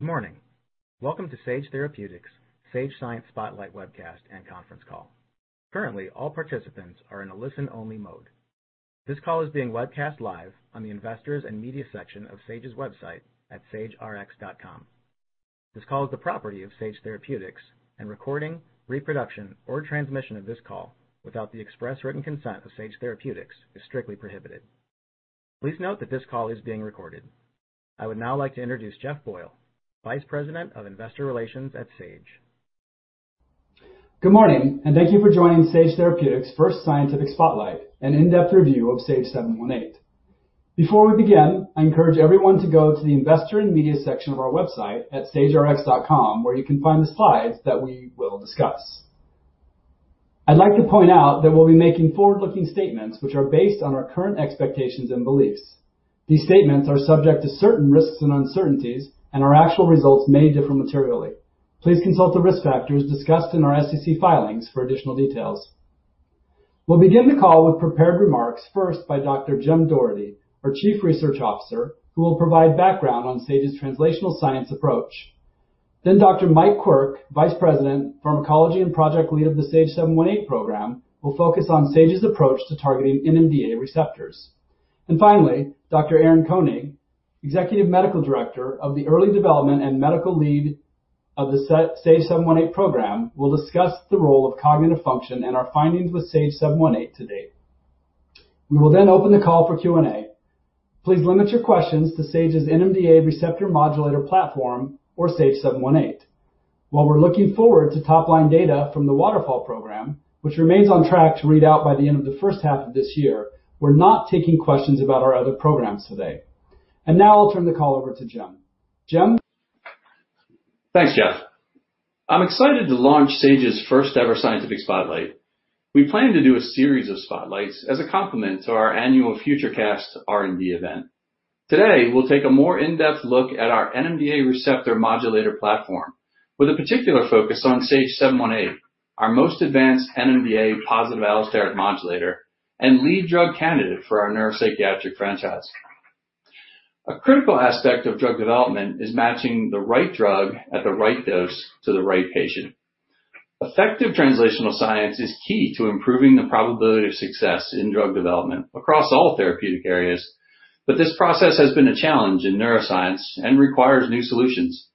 Good morning. Welcome to Sage Therapeutics' Sage Science Spotlight webcast and conference call. Currently, all participants are in a listen-only mode. This call is being webcast live on the Investors and Media section of Sage's website at sagerx.com. This call is the property of Sage Therapeutics, and recording, reproduction, or transmission of this call without the express written consent of Sage Therapeutics is strictly prohibited. Please note that this call is being recorded. I would now like to introduce Jeff Boyle, Vice President of Investor Relations at Sage. Good morning, and thank you for joining Sage Therapeutics' first Scientific Spotlight, an in-depth review of SAGE-718. Before we begin, I encourage everyone to go to the Investor and Media section of our website at sagerx.com, where you can find the slides that we will discuss. I'd like to point out that we'll be making forward-looking statements, which are based on our current expectations and beliefs. These statements are subject to certain risks and uncertainties, and our actual results may differ materially. Please consult the risk factors discussed in our SEC filings for additional details. We'll begin the call with prepared remarks, first by Dr. Jim Doherty, our Chief Research Officer, who will provide background on Sage's translational science approach. Dr. Mike Quirk, Vice President, Pharmacology and Project Lead of the SAGE-718 program, will focus on Sage's approach to targeting NMDA receptors. Finally, Dr. Aaron Koenig, Executive Medical Director of the Early Development and Medical Lead of the SAGE-718 program, will discuss the role of cognitive function and our findings with SAGE-718 to date. We will then open the call for Q&A. Please limit your questions to Sage's NMDA receptor modulator platform or SAGE-718. While we're looking forward to top-line data from the WATERFALL program, which remains on track to read out by the end of the first half of this year, we're not taking questions about our other programs today. Now I'll turn the call over to Jim. Jim? Thanks, Jeff. I'm excited to launch Sage's first-ever Sage Scientific Spotlight. We plan to do a series of spotlights as a complement to our annual FutureCast R&D event. Today, we'll take a more in-depth look at our NMDA receptor modulator platform, with a particular focus on SAGE-718, our most advanced NMDA positive allosteric modulator and lead drug candidate for our neuropsychiatric franchise. A critical aspect of drug development is matching the right drug at the right dose to the right patient. Effective translational science is key to improving the probability of success in drug development across all therapeutic areas, but this process has been a challenge in neuroscience and requires new solutions.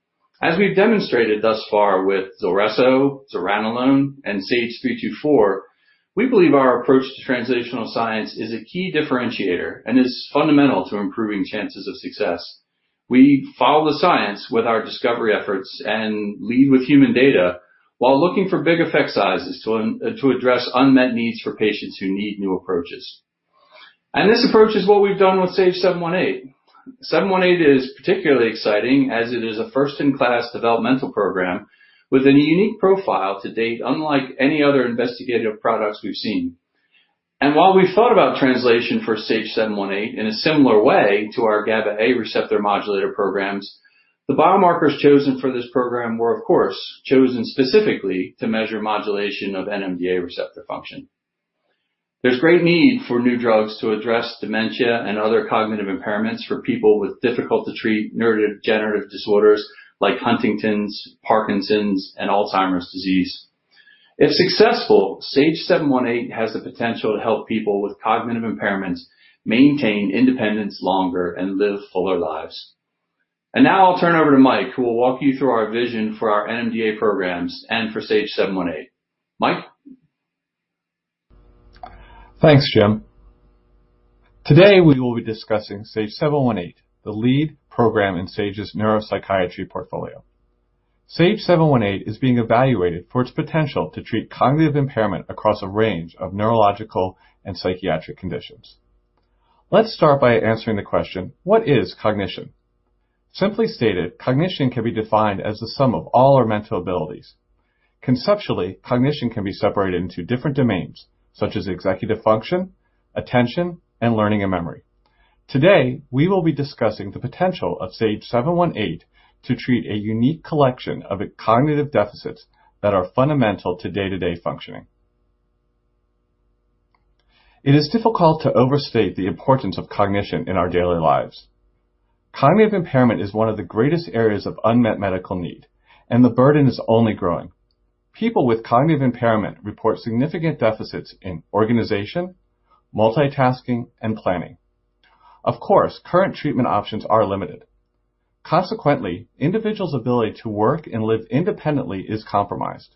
As we've demonstrated thus far with ZULRESSO, zuranolone, and SAGE-324, we believe our approach to translational science is a key differentiator and is fundamental to improving chances of success. We follow the science with our discovery efforts and lead with human data while looking for big effect sizes to address unmet needs for patients who need new approaches. This approach is what we've done with SAGE-718. 718 is particularly exciting as it is a first-in-class developmental program with a unique profile to date, unlike any other investigative products we've seen. While we've thought about translation for SAGE-718 in a similar way to our GABA A receptor modulator programs, the biomarkers chosen for this program were, of course, chosen specifically to measure modulation of NMDA receptor function. There's great need for new drugs to address dementia and other cognitive impairments for people with difficult-to-treat neurodegenerative disorders like Huntington's, Parkinson's, and Alzheimer's disease. If successful, SAGE-718 has the potential to help people with cognitive impairments maintain independence longer and live fuller lives. Now I'll turn over to Mike, who will walk you through our vision for our NMDA programs and for SAGE-718. Mike? Thanks, Jim. Today, we will be discussing SAGE-718, the lead program in Sage's neuropsychiatry portfolio. SAGE-718 is being evaluated for its potential to treat cognitive impairment across a range of neurological and psychiatric conditions. Let's start by answering the question: What is cognition? Simply stated, cognition can be defined as the sum of all our mental abilities. Conceptually, cognition can be separated into different domains, such as executive function, attention, and learning and memory. Today, we will be discussing the potential of SAGE-718 to treat a unique collection of cognitive deficits that are fundamental to day-to-day functioning. It is difficult to overstate the importance of cognition in our daily lives. Cognitive impairment is one of the greatest areas of unmet medical need, and the burden is only growing. People with cognitive impairment report significant deficits in organization, multitasking, and planning. Of course, current treatment options are limited. Consequently, individuals' ability to work and live independently is compromised.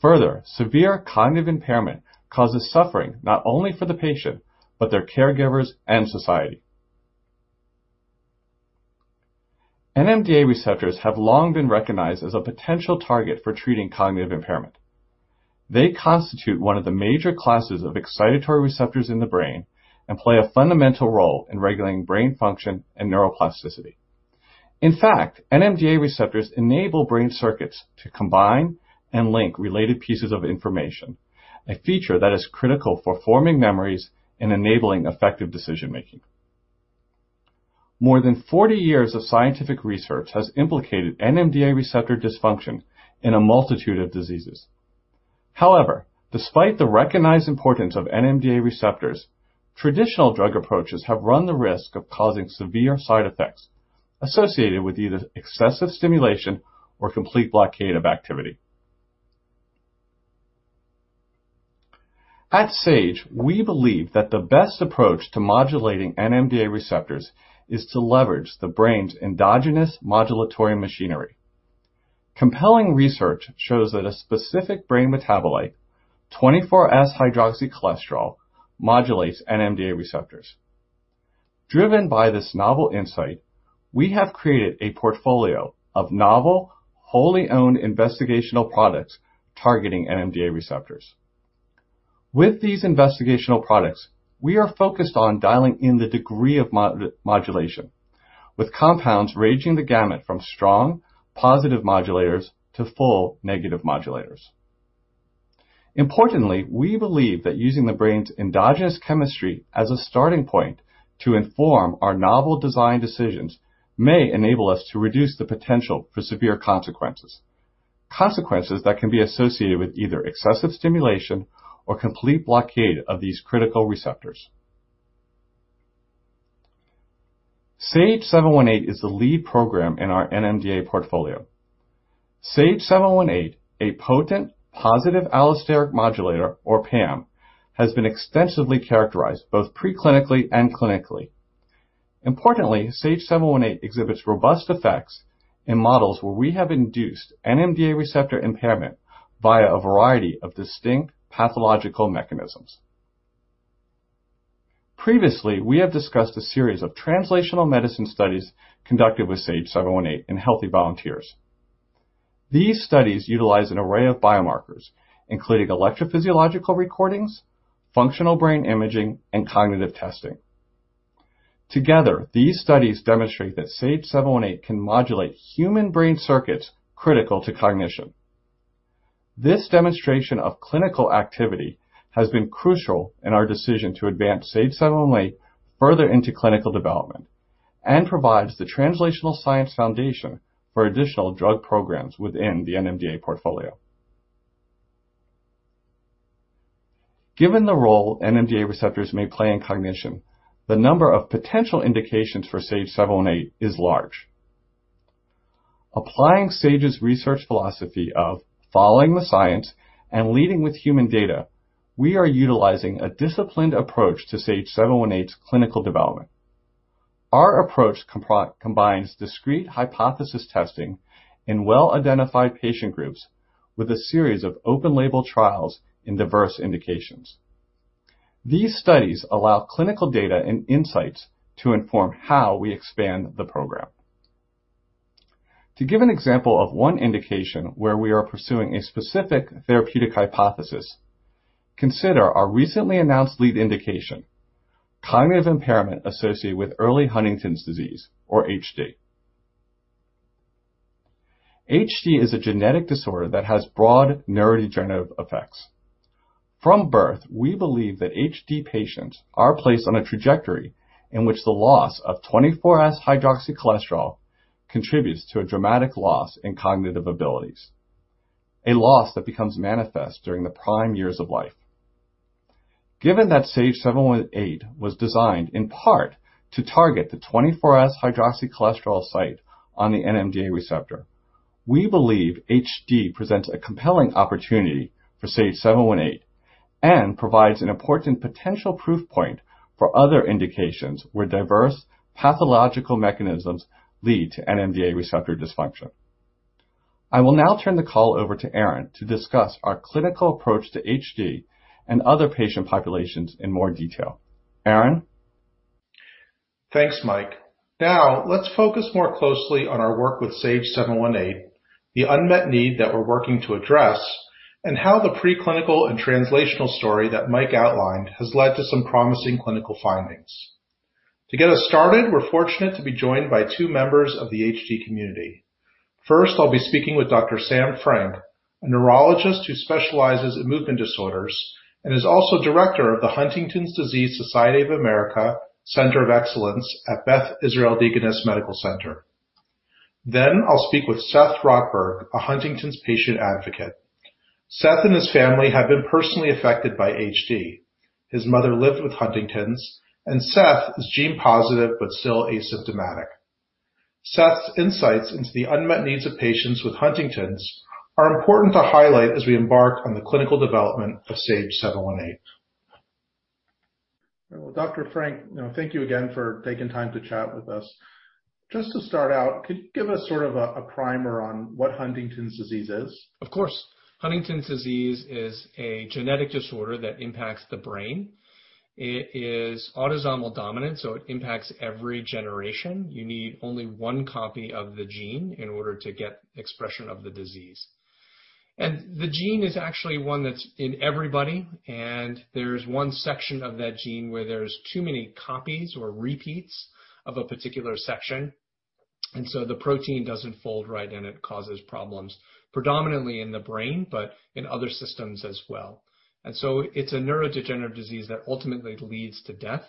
Further, severe cognitive impairment causes suffering not only for the patient, but their caregivers and society. NMDA receptors have long been recognized as a potential target for treating cognitive impairment. They constitute one of the major classes of excitatory receptors in the brain and play a fundamental role in regulating brain function and neuroplasticity. In fact, NMDA receptors enable brain circuits to combine and link related pieces of information, a feature that is critical for forming memories and enabling effective decision-making. More than 40 years of scientific research has implicated NMDA receptor dysfunction in a multitude of diseases. However, despite the recognized importance of NMDA receptors, traditional drug approaches have run the risk of causing severe side effects associated with either excessive stimulation or complete blockade of activity. At Sage, we believe that the best approach to modulating NMDA receptors is to leverage the brain's endogenous modulatory machinery. Compelling research shows that a specific brain metabolite, 24S-hydroxycholesterol, modulates NMDA receptors. Driven by this novel insight, we have created a portfolio of novel, wholly owned investigational products targeting NMDA receptors. With these investigational products, we are focused on dialing in the degree of modulation, with compounds ranging the gamut from strong positive modulators to full negative modulators. Importantly, we believe that using the brain's endogenous chemistry as a starting point to inform our novel design decisions may enable us to reduce the potential for severe consequences. Consequences that can be associated with either excessive stimulation or complete blockade of these critical receptors. SAGE-718 is the lead program in our NMDA portfolio. SAGE-718, a potent positive allosteric modulator, or PAM, has been extensively characterized both pre-clinically and clinically. Importantly, SAGE-718 exhibits robust effects in models where we have induced NMDA receptor impairment via a variety of distinct pathological mechanisms. Previously, we have discussed a series of translational medicine studies conducted with SAGE-718 in healthy volunteers. These studies utilize an array of biomarkers, including electrophysiological recordings, functional brain imaging, and cognitive testing. Together, these studies demonstrate that SAGE-718 can modulate human brain circuits critical to cognition. This demonstration of clinical activity has been crucial in our decision to advance SAGE-718 further into clinical development and provides the translational science foundation for additional drug programs within the NMDA portfolio. Given the role NMDA receptors may play in cognition, the number of potential indications for SAGE-718 is large. Applying Sage's research philosophy of following the science and leading with human data, we are utilizing a disciplined approach to SAGE-718's clinical development. Our approach combines discrete hypothesis testing in well-identified patient groups with a series of open label trials in diverse indications. These studies allow clinical data and insights to inform how we expand the program. To give an example of one indication where we are pursuing a specific therapeutic hypothesis, consider our recently announced lead indication, cognitive impairment associated with early Huntington's disease, or HD. HD is a genetic disorder that has broad neurodegenerative effects. From birth, we believe that HD patients are placed on a trajectory in which the loss of 24S-hydroxycholesterol contributes to a dramatic loss in cognitive abilities, a loss that becomes manifest during the prime years of life. Given that SAGE-718 was designed in part to target the 24S-hydroxycholesterol site on the NMDA receptor, we believe HD presents a compelling opportunity for SAGE-718 and provides an important potential proof point for other indications where diverse pathological mechanisms lead to NMDA receptor dysfunction. I will now turn the call over to Aaron to discuss our clinical approach to HD and other patient populations in more detail. Aaron? Thanks, Mike. Let's focus more closely on our work with SAGE-718, the unmet need that we're working to address, and how the preclinical and translational story that Mike outlined has led to some promising clinical findings. To get us started, we're fortunate to be joined by two members of the HD community. First, I'll be speaking with Dr. Sam Frank, a neurologist who specializes in movement disorders and is also Director of the Huntington's Disease Society of America Center of Excellence at Beth Israel Deaconess Medical Center. I'll speak with Seth Rotberg, a Huntington's patient advocate. Seth and his family have been personally affected by HD. His mother lived with Huntington's, Seth is gene positive but still asymptomatic. Seth's insights into the unmet needs of patients with Huntington's are important to highlight as we embark on the clinical development of SAGE-718. Well, Dr. Frank, thank you again for taking time to chat with us. Just to start out, could you give us sort of a primer on what Huntington's disease is? Of course. Huntington's disease is a genetic disorder that impacts the brain. It is autosomal dominant, so it impacts every generation. You need only one copy of the gene in order to get expression of the disease. The gene is actually one that's in everybody, and there's one section of that gene where there's too many copies or repeats of a particular section, and so the protein doesn't fold right and it causes problems predominantly in the brain, but in other systems as well. It's a neurodegenerative disease that ultimately leads to death.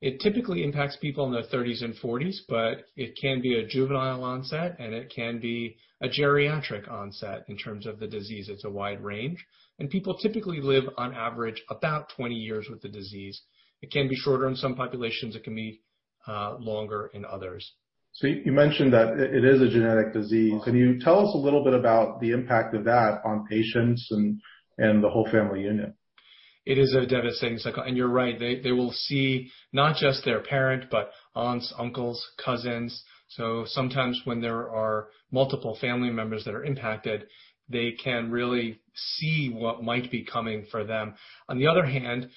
It typically impacts people in their 30s and 40s, but it can be a juvenile onset and it can be a geriatric onset in terms of the disease. It's a wide range. People typically live on average about 20 years with the disease. It can be shorter in some populations. It can be longer in others. You mentioned that it is a genetic disease. Can you tell us a little bit about the impact of that on patients and the whole family unit? It is a devastating cycle. You're right. They will see not just their parent, but aunts, uncles, cousins. Sometimes when there are multiple family members that are impacted, they can really see what might be coming for them. On the other hand,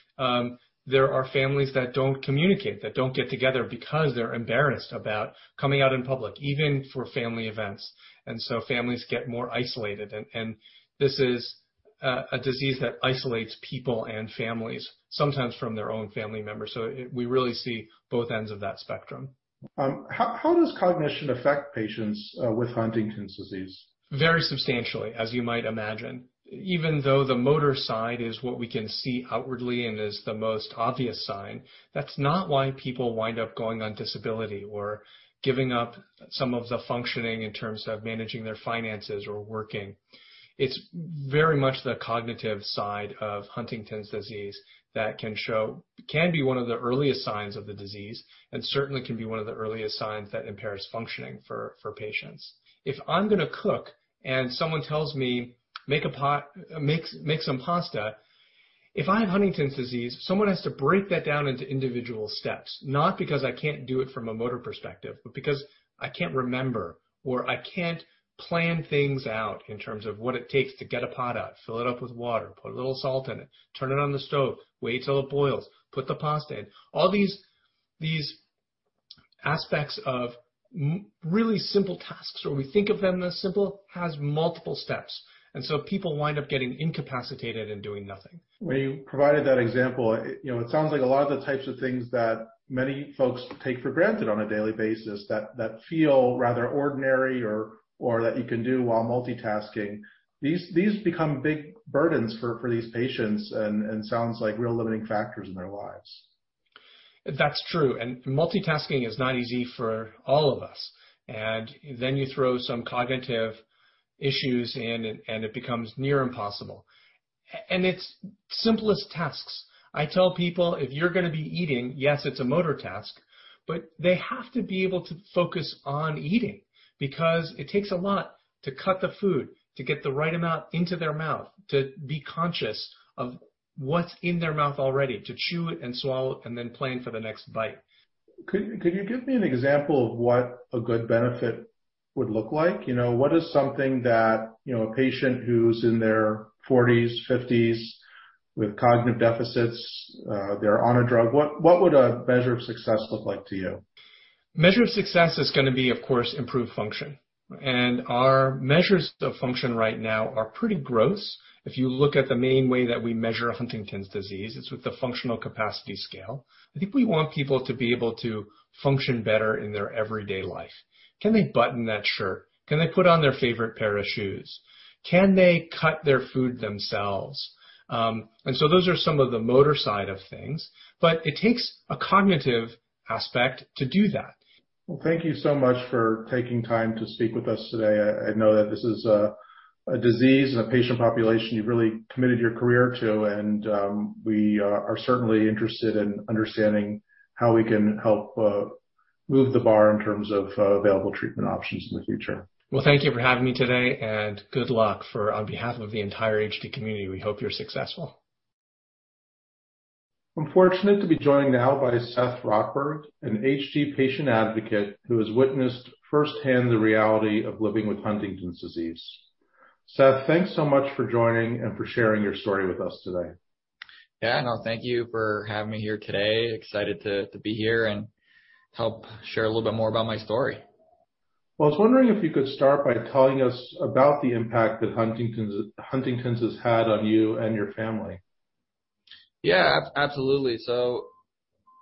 there are families that don't communicate, that don't get together because they're embarrassed about coming out in public, even for family events. Families get more isolated, and this is a disease that isolates people and families, sometimes from their own family members. We really see both ends of that spectrum. How does cognition affect patients with Huntington's disease? Very substantially, as you might imagine. Even though the motor side is what we can see outwardly and is the most obvious sign, that's not why people wind up going on disability or giving up some of the functioning in terms of managing their finances or working. It's very much the cognitive side of Huntington's disease that can be one of the earliest signs of the disease, and certainly can be one of the earliest signs that impairs functioning for patients. If I'm going to cook and someone tells me, "Make some pasta," if I have Huntington's disease, someone has to break that down into individual steps, not because I can't do it from a motor perspective, but because I can't remember or I can't plan things out in terms of what it takes to get a pot out, fill it up with water, put a little salt in it, turn it on the stove, wait till it boils, put the pasta in. All these aspects of really simple tasks, or we think of them as simple, has multiple steps. People wind up getting incapacitated and doing nothing. When you provided that example, it sounds like a lot of the types of things that many folks take for granted on a daily basis that feel rather ordinary or that you can do while multitasking. These become big burdens for these patients and sounds like real limiting factors in their lives. That's true. Multitasking is not easy for all of us. Then you throw some cognitive issues in, and it becomes near impossible. It's simplest tasks. I tell people, if you're going to be eating, yes, it's a motor task, but they have to be able to focus on eating because it takes a lot to cut the food, to get the right amount into their mouth, to be conscious of what's in their mouth already, to chew it and swallow it, and then plan for the next bite. Could you give me an example of what a good benefit would look like? What is something that a patient who's in their 40s, 50s with cognitive deficits, they're on a drug? What would a measure of success look like to you? Measure of success is going to be, of course, improved function. Our measures of function right now are pretty gross. If you look at the main way that we measure Huntington's disease, it's with the functional capacity scale. I think we want people to be able to function better in their everyday life. Can they button that shirt? Can they put on their favorite pair of shoes? Can they cut their food themselves? Those are some of the motor side of things, but it takes a cognitive aspect to do that. Well, thank you so much for taking time to speak with us today. I know that this is a disease and a patient population you've really committed your career to, and we are certainly interested in understanding how we can help move the bar in terms of available treatment options in the future. Well, thank you for having me today, and good luck. On behalf of the entire HD community, we hope you're successful. I'm fortunate to be joined now by Seth Rotberg, an HD patient advocate who has witnessed firsthand the reality of living with Huntington's disease. Seth, thanks so much for joining and for sharing your story with us today. Yeah, no, thank you for having me here today. Excited to be here and help share a little bit more about my story. Well, I was wondering if you could start by telling us about the impact that Huntington's has had on you and your family? Yeah, absolutely.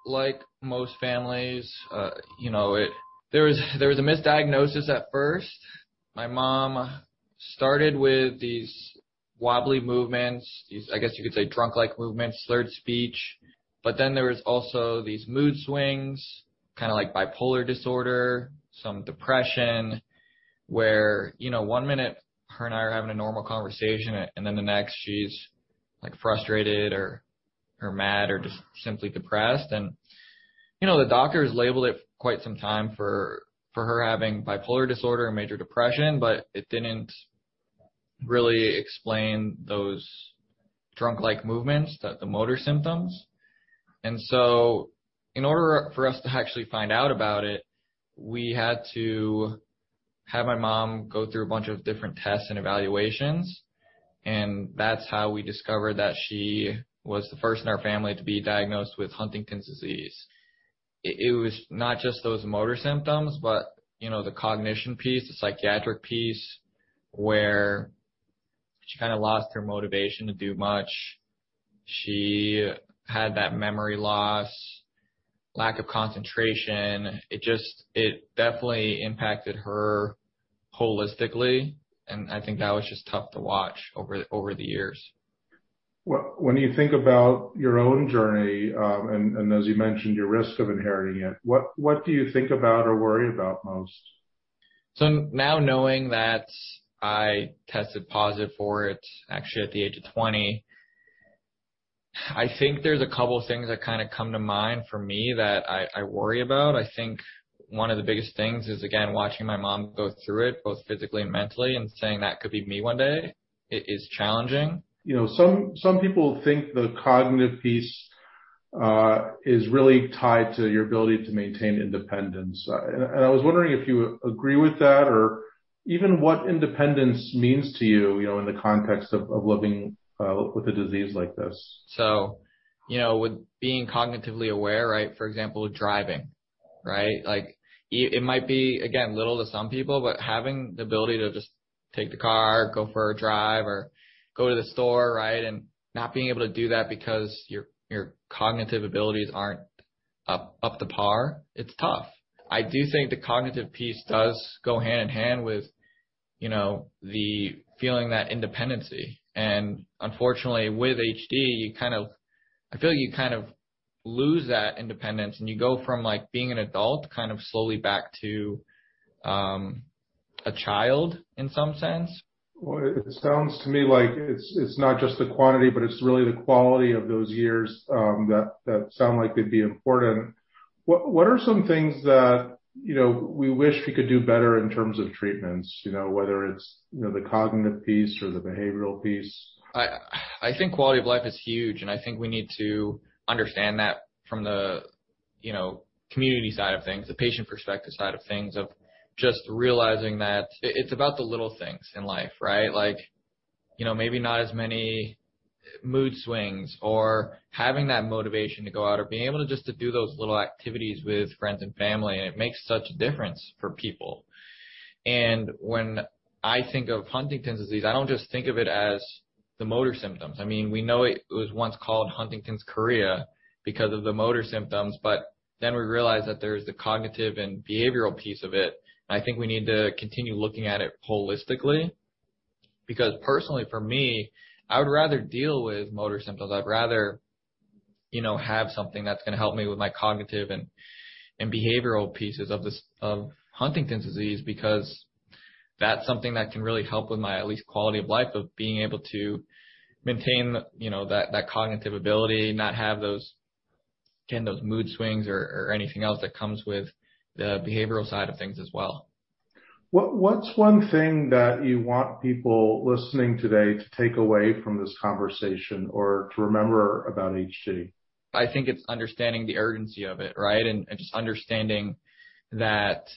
Like most families, there was a misdiagnosis at first. My mom started with these wobbly movements, these, I guess you could say, drunk-like movements, slurred speech. There was also these mood swings, kind of like bipolar disorder, some depression, where one minute her and I are having a normal conversation, and then the next she's frustrated, or mad, or just simply depressed. The doctors labeled it for quite some time for her having bipolar disorder and major depression, but it didn't really explain those drunk-like movements, the motor symptoms. In order for us to actually find out about it, we had to have my mom go through a bunch of different tests and evaluations, and that's how we discovered that she was the first in our family to be diagnosed with Huntington's disease. It was not just those motor symptoms, but the cognition piece, the psychiatric piece, where she kind of lost her motivation to do much. She had that memory loss, lack of concentration. It definitely impacted her holistically, and I think that was just tough to watch over the years. When you think about your own journey, and as you mentioned, your risk of inheriting it, what do you think about or worry about most? Now knowing that I tested positive for it actually at the age of 20, I think there's a couple things that come to mind for me that I worry about. I think one of the biggest things is, again, watching my mom go through it, both physically and mentally, and saying that could be me one day, is challenging. Some people think the cognitive piece is really tied to your ability to maintain independence. I was wondering if you agree with that or even what independence means to you in the context of living with a disease like this. With being cognitively aware, for example, with driving, it might be, again, little to some people, but having the ability to just take the car, go for a drive, or go to the store, and not being able to do that because your cognitive abilities aren't up to par, it's tough. I do think the cognitive piece does go hand-in-hand with feeling that independence. Unfortunately, with HD, I feel you lose that independence, and you go from being an adult slowly back to a child in some sense. Well, it sounds to me like it's not just the quantity, but it's really the quality of those years that sound like they'd be important. What are some things that we wish we could do better in terms of treatments, whether it's the cognitive piece or the behavioral piece? I think quality of life is huge. I think we need to understand that from the community side of things, the patient perspective side of things, of just realizing that it's about the little things in life, right? Like maybe not as many mood swings or having that motivation to go out or being able just to do those little activities with friends and family. It makes such a difference for people. When I think of Huntington's disease, I don't just think of it as the motor symptoms. We know it was once called Huntington's chorea because of the motor symptoms. We realized that there's a cognitive and behavioral piece of it. I think we need to continue looking at it holistically. Personally for me, I would rather deal with motor symptoms. I'd rather have something that's going to help me with my cognitive and behavioral pieces of Huntington's disease, because that's something that can really help with my at least quality of life of being able to maintain that cognitive ability, not have those mood swings or anything else that comes with the behavioral side of things as well. What's one thing that you want people listening today to take away from this conversation or to remember about HD? I think it's understanding the urgency of it. Just understanding that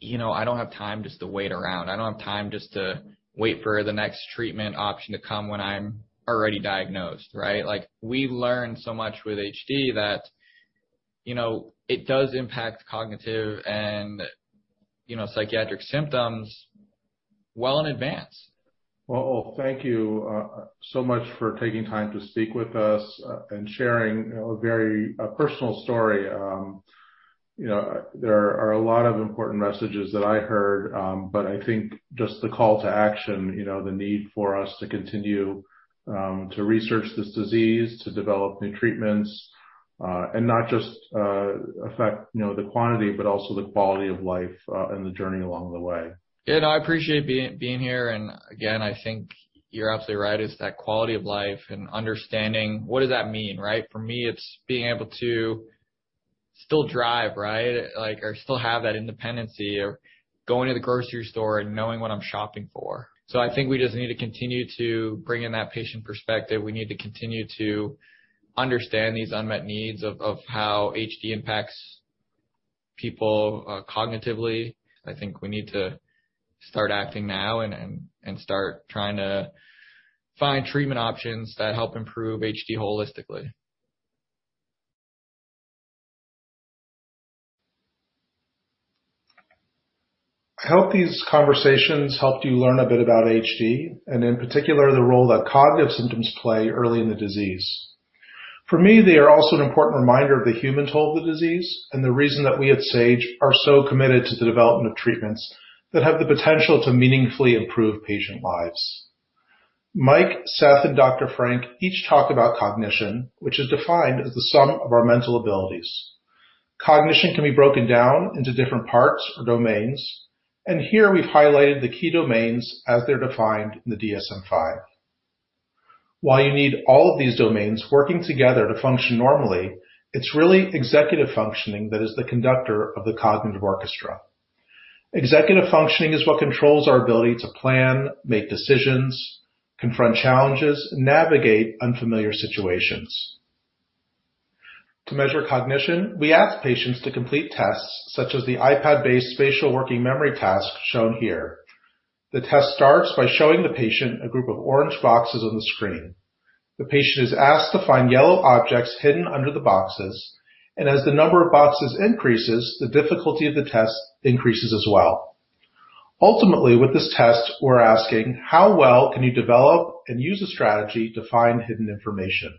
I don't have time just to wait around. I don't have time just to wait for the next treatment option to come when I'm already diagnosed. We learn so much with HD that it does impact cognitive and psychiatric symptoms well in advance. Thank you so much for taking time to speak with us and sharing a very personal story. There are a lot of important messages that I heard, but I think just the call to action, the need for us to continue to research this disease, to develop new treatments, and not just affect the quantity, but also the quality of life and the journey along the way. I appreciate being here, and again, I think you're absolutely right. It's that quality of life and understanding what does that mean. For me, it's being able to still drive. Still have that independency or going to the grocery store and knowing what I'm shopping for. I think we just need to continue to bring in that patient perspective. We need to continue to understand these unmet needs of how HD impacts people cognitively. I think we need to start acting now and start trying to find treatment options that help improve HD holistically. I hope these conversations helped you learn a bit about HD, and in particular, the role that cognitive symptoms play early in the disease. For me, they are also an important reminder of the human toll of the disease and the reason that we at Sage are so committed to the development of treatments that have the potential to meaningfully improve patient lives. Mike, Seth, and Dr. Frank each talked about cognition, which is defined as the sum of our mental abilities. Cognition can be broken down into different parts or domains. Here we've highlighted the key domains as they're defined in the DSM-V. While you need all of these domains working together to function normally, it's really executive functioning that is the conductor of the cognitive orchestra. Executive functioning is what controls our ability to plan, make decisions, confront challenges, and navigate unfamiliar situations. To measure cognition, we ask patients to complete tests such as the iPad-based spatial working memory task shown here. The test starts by showing the patient a group of orange boxes on the screen. As the number of boxes increases, the difficulty of the test increases as well. Ultimately, with this test, we're asking how well can you develop and use a strategy to find hidden information?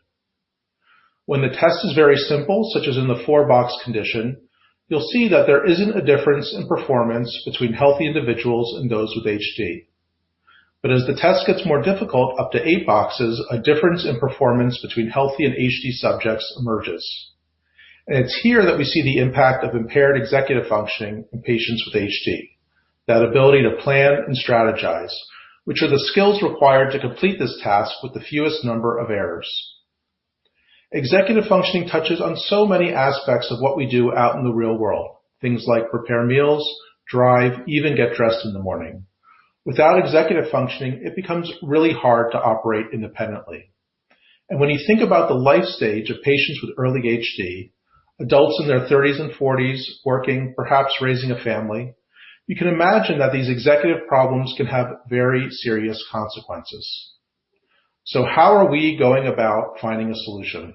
When the test is very simple, such as in the four-box condition, you'll see that there isn't a difference in performance between healthy individuals and those with HD. As the test gets more difficult, up to eight boxes, a difference in performance between healthy and HD subjects emerges. It's here that we see the impact of impaired executive functioning in patients with HD, that ability to plan and strategize, which are the skills required to complete this task with the fewest number of errors. Executive functioning touches on so many aspects of what we do out in the real world. Things like prepare meals, drive, even get dressed in the morning. Without executive functioning, it becomes really hard to operate independently. When you think about the life stage of patients with early HD, adults in their thirties and forties working, perhaps raising a family, you can imagine that these executive problems can have very serious consequences. How are we going about finding a solution?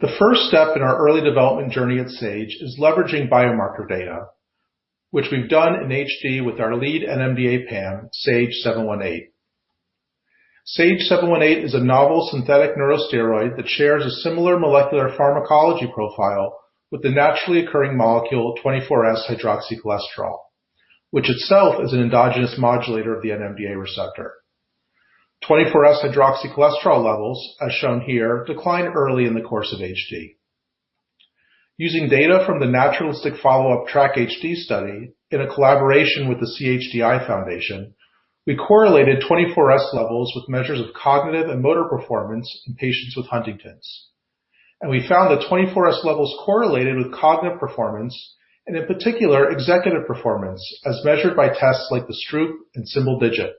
The first step in our early development journey at Sage is leveraging biomarker data, which we've done in HD with our lead NMDA PAM, SAGE-718. SAGE-718 is a novel synthetic neurosteroid that shares a similar molecular pharmacology profile with the naturally occurring molecule, 24S-hydroxycholesterol, which itself is an endogenous modulator of the NMDA receptor. 24S-hydroxycholesterol levels, as shown here, decline early in the course of HD. Using data from the naturalistic follow-up TRACK-HD study in a collaboration with the CHDI Foundation, we correlated 24S levels with measures of cognitive and motor performance in patients with Huntington's. We found that 24S levels correlated with cognitive performance and, in particular, executive performance as measured by tests like the Stroop and Symbol Digit,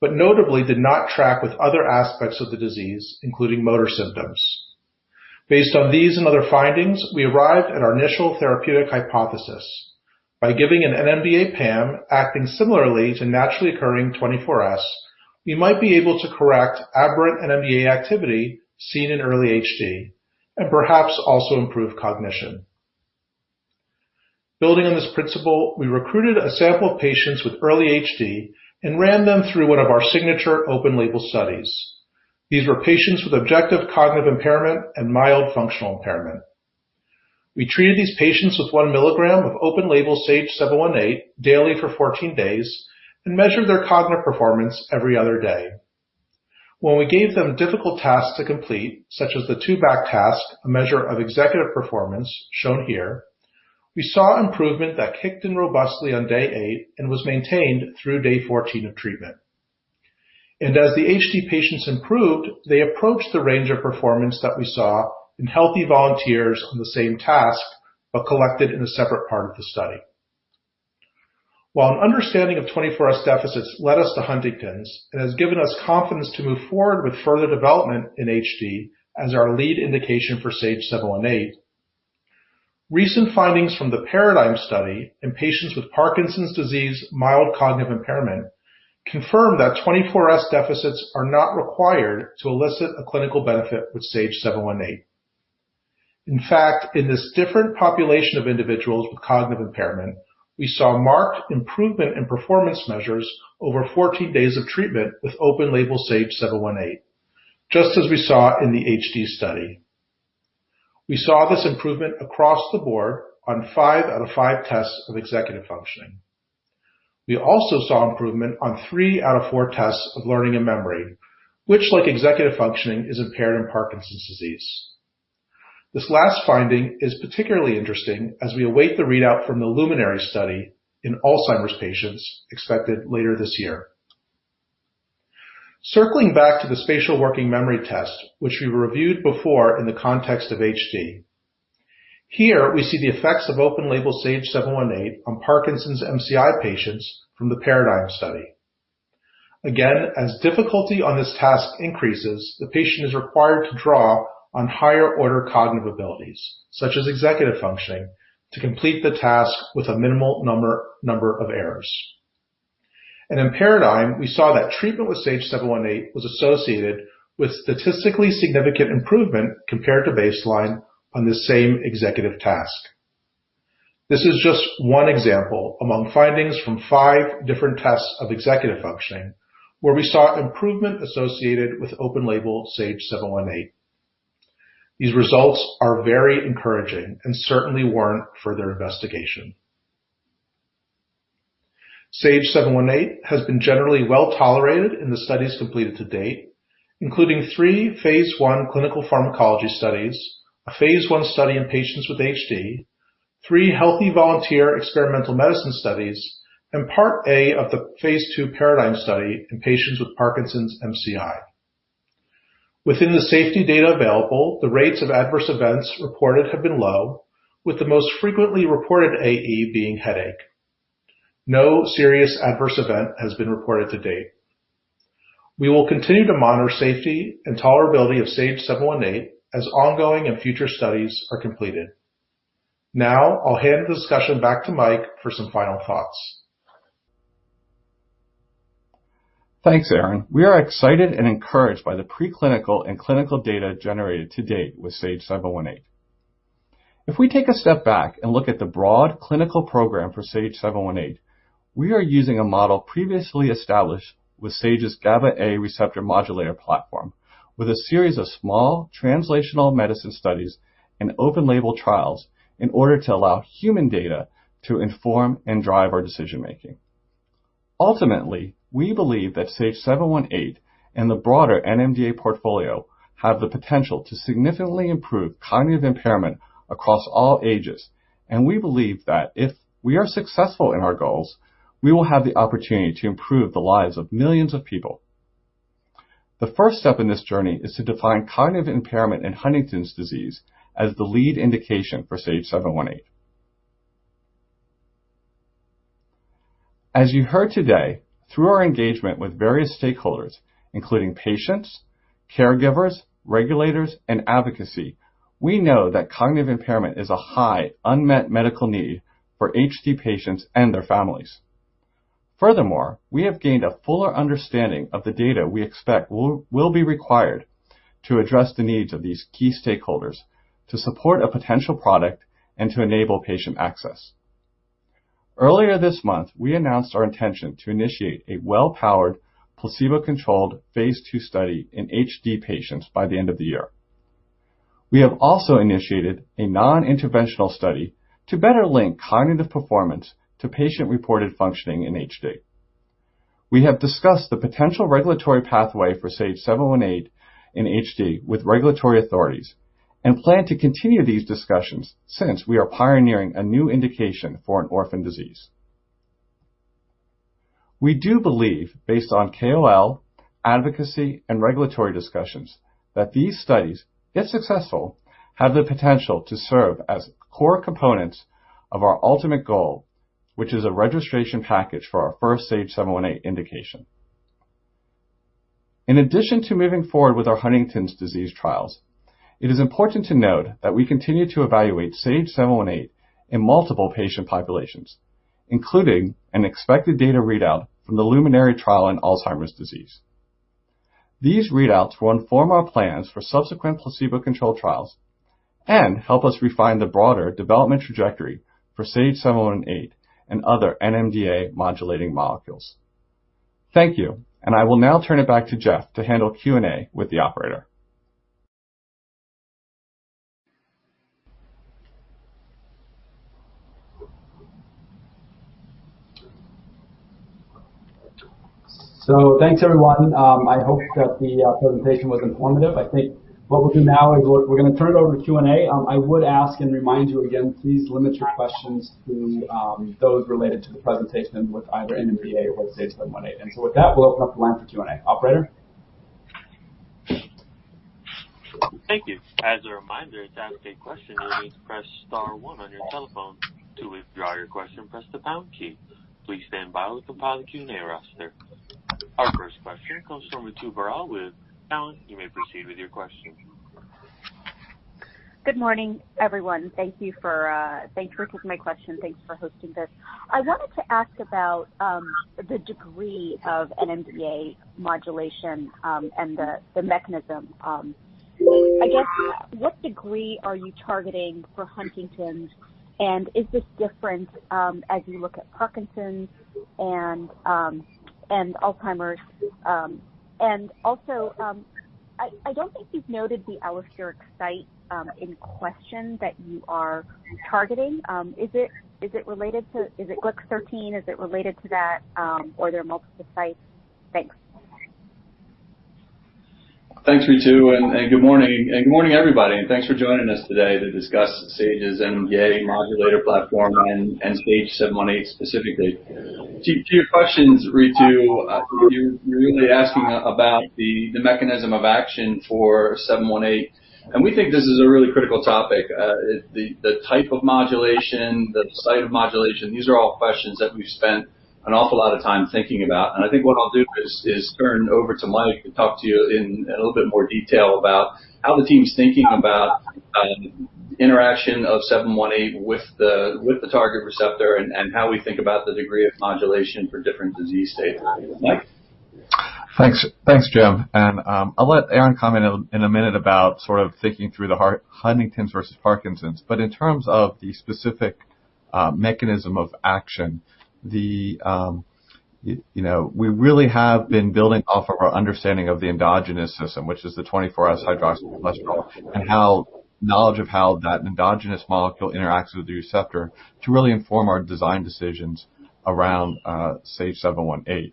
but notably did not track with other aspects of the disease, including motor symptoms. Based on these and other findings, we arrived at our initial therapeutic hypothesis. By giving an NMDA PAM acting similarly to naturally occurring 24S, we might be able to correct aberrant NMDA activity seen in early HD and perhaps also improve cognition. Building on this principle, we recruited a sample of patients with early HD and ran them through one of our signature open-label studies. These were patients with objective cognitive impairment and mild functional impairment. We treated these patients with one milligram of open-label SAGE-718 daily for 14 days and measured their cognitive performance every other day. When we gave them difficult tasks to complete, such as the two-back task, a measure of executive performance shown here, we saw improvement that kicked in robustly on day eight and was maintained through day 14 of treatment. As the HD patients improved, they approached the range of performance that we saw in healthy volunteers on the same task, but collected in a separate part of the study. While an understanding of 24S deficits led us to Huntington's and has given us confidence to move forward with further development in HD as our lead indication for SAGE-718, recent findings from the PARADIGM study in patients with Parkinson's disease, mild cognitive impairment, confirm that 24S deficits are not required to elicit a clinical benefit with SAGE-718. In fact, in this different population of individuals with cognitive impairment, we saw marked improvement in performance measures over 14 days of treatment with open-label SAGE-718, just as we saw in the HD study. We saw this improvement across the board on five out of five tests of executive functioning. We also saw improvement on three out of four tests of learning and memory, which, like executive functioning, is impaired in Parkinson's disease. This last finding is particularly interesting as we await the readout from the LUMINARY study in Alzheimer's patients expected later this year. Circling back to the spatial working memory test, which we reviewed before in the context of HD. Here we see the effects of open-label SAGE-718 on Parkinson's MCI patients from the PARADIGM study. As difficulty on this task increases, the patient is required to draw on higher order cognitive abilities, such as executive functioning, to complete the task with a minimal number of errors. In PARADIGM, we saw that treatment with SAGE-718 was associated with statistically significant improvement compared to baseline on the same executive task. This is just one example among findings from five different tests of executive functioning where we saw improvement associated with open-label SAGE-718. These results are very encouraging and certainly warrant further investigation. SAGE-718 has been generally well-tolerated in the studies completed to date, including three phase I clinical pharmacology studies, a phase I study in patients with HD, three healthy volunteer experimental medicine studies, and part A of the phase II PARADIGM study in patients with Parkinson's MCI. Within the safety data available, the rates of adverse events reported have been low, with the most frequently reported AE being headache. No serious adverse event has been reported to date. We will continue to monitor safety and tolerability of SAGE-718 as ongoing and future studies are completed. I'll hand the discussion back to Mike for some final thoughts. Thanks, Aaron. We are excited and encouraged by the preclinical and clinical data generated to date with SAGE-718. If we take a step back and look at the broad clinical program for SAGE-718, we are using a model previously established with Sage's GABA A receptor modulator platform with a series of small translational medicine studies and open-label trials in order to allow human data to inform and drive our decision making. Ultimately, we believe that SAGE-718 and the broader NMDA portfolio have the potential to significantly improve cognitive impairment across all ages, and we believe that if we are successful in our goals, we will have the opportunity to improve the lives of millions of people. The first step in this journey is to define cognitive impairment in Huntington's disease as the lead indication for SAGE-718. As you heard today, through our engagement with various stakeholders, including patients, caregivers, regulators, and advocacy, we know that cognitive impairment is a high unmet medical need for HD patients and their families. Furthermore, we have gained a fuller understanding of the data we expect will be required to address the needs of these key stakeholders to support a potential product and to enable patient access. Earlier this month, we announced our intention to initiate a well-powered, placebo-controlled phase II study in HD patients by the end of the year. We have also initiated a non-interventional study to better link cognitive performance to patient-reported functioning in HD. We have discussed the potential regulatory pathway for SAGE-718 in HD with regulatory authorities and plan to continue these discussions since we are pioneering a new indication for an orphan disease. We do believe, based on KOL, advocacy, and regulatory discussions, that these studies, if successful, have the potential to serve as core components of our ultimate goal, which is a registration package for our first SAGE-718 indication. In addition to moving forward with our Huntington's disease trials, it is important to note that we continue to evaluate SAGE-718 in multiple patient populations, including an expected data readout from the LUMINARY trial on Alzheimer's disease. These readouts will inform our plans for subsequent placebo-controlled trials and help us refine the broader development trajectory for SAGE-718 and other NMDA modulating molecules. Thank you, I will now turn it back to Jeff to handle Q&A with the operator. Thanks, everyone. I hope that the presentation was informative. I think what we'll do now is we're going to turn it over to Q&A. I would ask and remind you again, please limit your questions to those related to the presentation with either NMDA or with SAGE-718. With that, we'll open up the line for Q&A. Operator? Thank you. As a reminder, to ask a question, you'll need to press star one on your telephone. To withdraw your question, press the pound key. Please stand by while we compile the Q&A roster. Our first question comes from Ritu Baral with Cowen. You may proceed with your question. Good morning, everyone. Thank you for taking my question. Thanks for hosting this. I wanted to ask about the degree of NMDA modulation and the mechanism. I guess, what degree are you targeting for Huntington's, and is this different as you look at Parkinson's and Alzheimer's? Also, I don't think you've noted the allosteric site in question that you are targeting. Is it GLYX-13? Is it related to that? Or are there multiple sites? Thanks. Thanks, Ritu. Good morning, everybody, and thanks for joining us today to discuss Sage's NMDA modulator platform and SAGE-718 specifically. To your questions, Ritu, you're really asking about the mechanism of action for 718, and we think this is a really critical topic. The type of modulation, the site of modulation, these are all questions that we've spent an awful lot of time thinking about. I think what I'll do is turn over to Mike to talk to you in a little bit more detail about how the team's thinking about interaction of 718 with the target receptor and how we think about the degree of modulation for different disease states. Mike? Thanks, Jim. I'll let Aaron comment in a minute about sort of thinking through the Huntington's versus Parkinson's. In terms of the specific mechanism of action, we really have been building off of our understanding of the endogenous system, which is the 24S-hydroxycholesterol, and knowledge of how that endogenous molecule interacts with the receptor to really inform our design decisions around SAGE-718.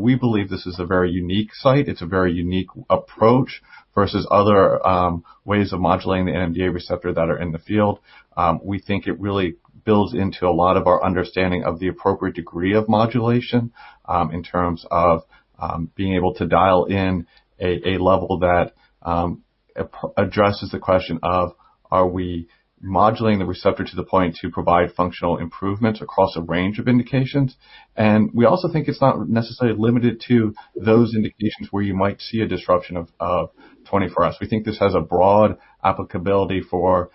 We believe this is a very unique site. It's a very unique approach versus other ways of modulating the NMDA receptor that are in the field. We think it really builds into a lot of our understanding of the appropriate degree of modulation in terms of being able to dial in a level that addresses the question of, are we modulating the receptor to the point to provide functional improvements across a range of indications. We also think it's not necessarily limited to those indications where you might see a disruption of 24S. We think this has a broad applicability for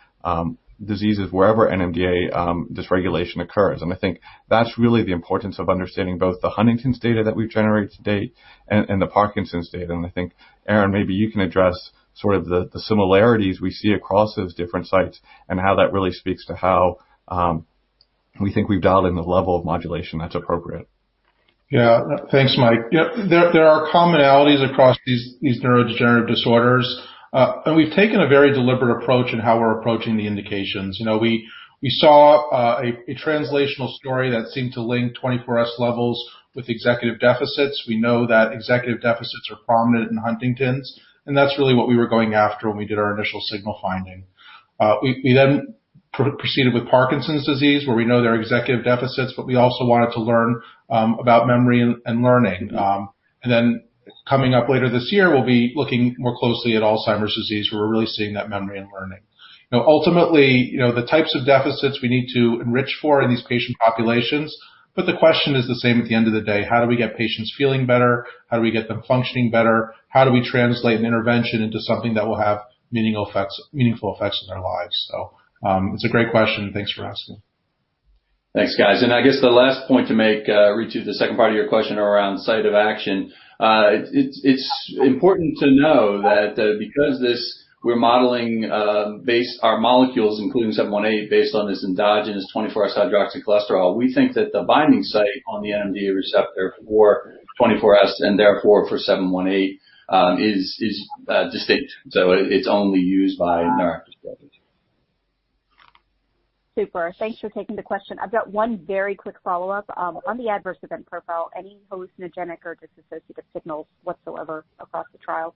diseases wherever NMDA dysregulation occurs. I think that's really the importance of understanding both the Huntington's data that we've generated to date and the Parkinson's data. I think, Aaron, maybe you can address sort of the similarities we see across those different sites and how that really speaks to how we think we've dialed in the level of modulation that's appropriate. Yeah. Thanks, Mike. There are commonalities across these neurodegenerative disorders. We've taken a very deliberate approach in how we're approaching the indications. We saw a translational story that seemed to link 24S levels with executive deficits. We know that executive deficits are prominent in Huntington's, and that's really what we were going after when we did our initial signal finding. We then proceeded with Parkinson's disease, where we know there are executive deficits, but we also wanted to learn about memory and learning. Coming up later this year, we'll be looking more closely at Alzheimer's disease, where we're really seeing that memory and learning. Now, ultimately, the types of deficits we need to enrich for are these patient populations, but the question is the same at the end of the day: how do we get patients feeling better? How do we get them functioning better? How do we translate an intervention into something that will have meaningful effects in their lives? It's a great question, and thanks for asking. Thanks, guys. I guess the last point to make, Ritu, the second part of your question around site of action. It's important to know that because we're modeling our molecules, including 718, based on this endogenous 24S-hydroxycholesterol, we think that the binding site on the NMDA receptor for 24S, and therefore for 718, is distinct. It's only used by [neuroprotective]. Super. Thanks for taking the question. I've got one very quick follow-up. On the adverse event profile, any hallucinogenic or dissociative signals whatsoever across the trial?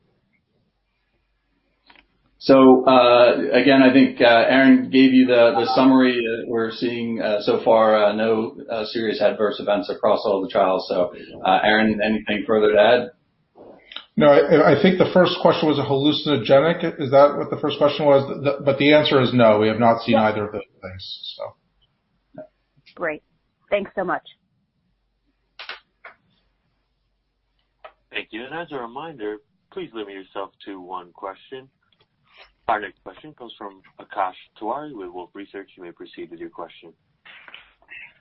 Again, I think Aaron gave you the summary that we're seeing so far no serious adverse events across all the trials. Aaron, anything further to add? No, I think the first question was a hallucinogenic. Is that what the first question was? The answer is no, we have not seen either of those things. Great. Thanks so much. Thank you. As a reminder, please limit yourself to one question. Our next question comes from Akash Tewari with Wolfe Research. You may proceed with your question.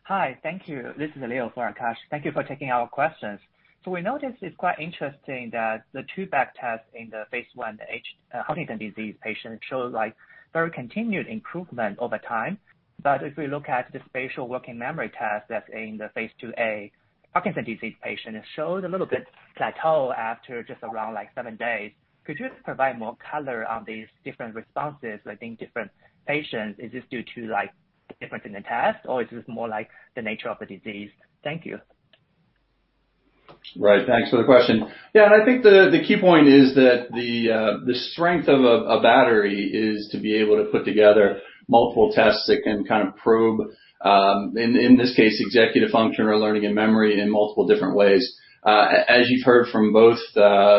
Hi. Thank you. This is Leo for Akash. Thank you for taking our questions. We noticed it's quite interesting that the two-back test in the phase I Huntington's disease patients showed very continued improvement over time. If we look at the spatial working memory test that's in the phase IIa Parkinson's disease patient, it shows a little bit plateau after just around seven days. Could you just provide more color on these different responses in different patients? Is this due to difference in the test, or is this more like the nature of the disease? Thank you. Right. Thanks for the question. Yeah, I think the key point is that the strength of a battery is to be able to put together multiple tests that can probe, in this case, executive function or learning and memory in multiple different ways. As you've heard from both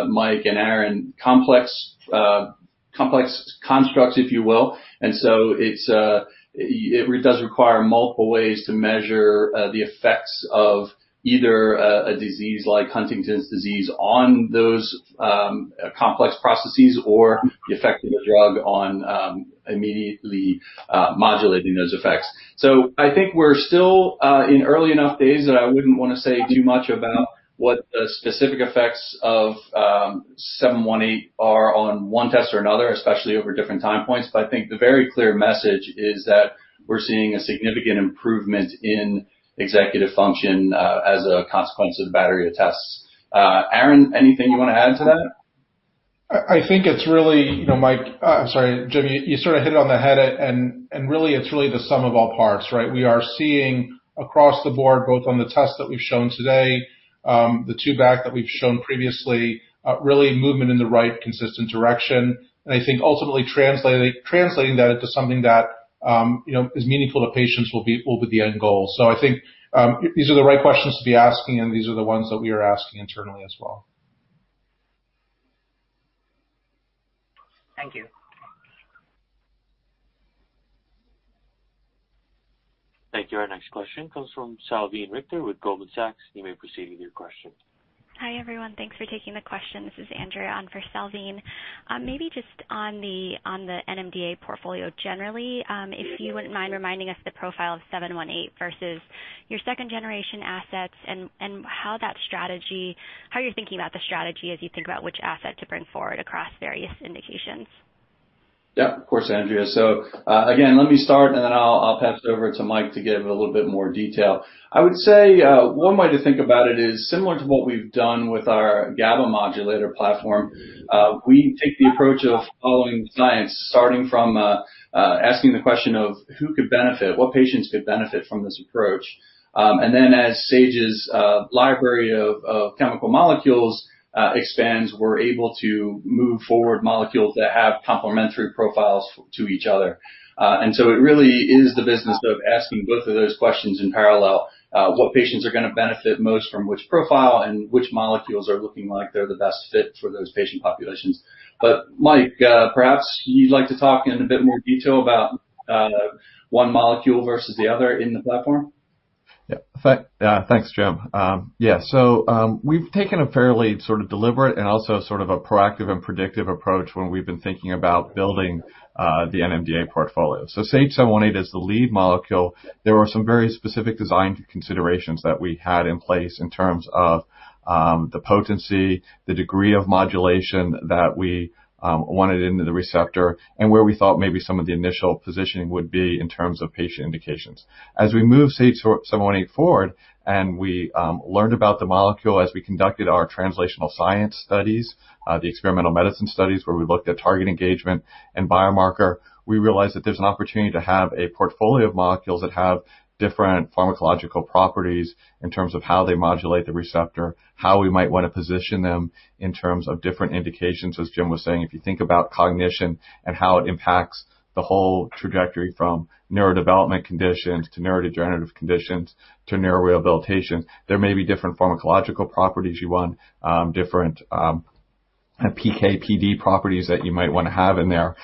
Mike and Aaron, complex constructs, if you will. It does require multiple ways to measure the effects of either a disease like Huntington's disease on those complex processes or the effect of the drug on immediately modulating those effects. I think we're still in early enough days that I wouldn't want to say too much about what the specific effects of 718 are on one test or another, especially over different time points. I think the very clear message is that we're seeing a significant improvement in executive function as a consequence of the battery of tests. Aaron, anything you want to add to that? I think it's really, I'm sorry, Jim, you sort of hit on the head, and really it's truly the sum of all parts, right? We are seeing across the board, both on the test that we've shown today, the two-back that we've shown previously, really movement in the right consistent direction. I think ultimately translating that into something that is meaningful to patients will be the end goal. I think these are the right questions to be asking, and these are the ones that we are asking internally as well. Thank you. Thank you. Our next question comes from Salveen Richter with Goldman Sachs. You may proceed with your question. Hi, everyone. Thanks for taking the question. This is Andrea on for Salveen. Maybe just on the NMDA portfolio generally, if you wouldn't mind reminding us the profile of 718 versus your second-generation assets and how you're thinking about the strategy as you figure out which asset to bring forward across various indications. Of course, Andrea. Again, let me start, and then I'll pass it over to Mike to give a little bit more detail. I would say one way to think about it is similar to what we've done with our GABA modulator platform. We take the approach of following science, starting from asking the question of who could benefit, what patients could benefit from this approach. As Sage's library of chemical molecules expands, we're able to move forward molecules that have complementary profiles to each other. It really is the business of asking both of those questions in parallel, what patients are going to benefit most from which profile and which molecules are looking like they're the best fit for those patient populations. Mike, perhaps you'd like to talk in a bit more detail about one molecule versus the other in the platform? Yeah. Thanks, Jim. Yeah. We've taken a fairly sort of deliberate and also sort of a proactive and predictive approach when we've been thinking about building the NMDA portfolio. SAGE-718 is the lead molecule. There were some very specific design considerations that we had in place in terms of the potency, the degree of modulation that we wanted into the receptor, and where we thought maybe some of the initial positioning would be in terms of patient indications. As we moved SAGE-718 forward and we learned about the molecule, as we conducted our translational science studies, the experimental medicine studies where we looked at target engagement and biomarker, we realized that there's an opportunity to have a portfolio of molecules that have different pharmacological properties in terms of how they modulate the receptor, how we might want to position them in terms of different indications, as Jim was saying. If you think about cognition and how it impacts the whole trajectory from neurodevelopment conditions to neurodegenerative conditions to neurorehabilitation, there may be different pharmacological properties you want, different PK/PD properties that you might want to have in there.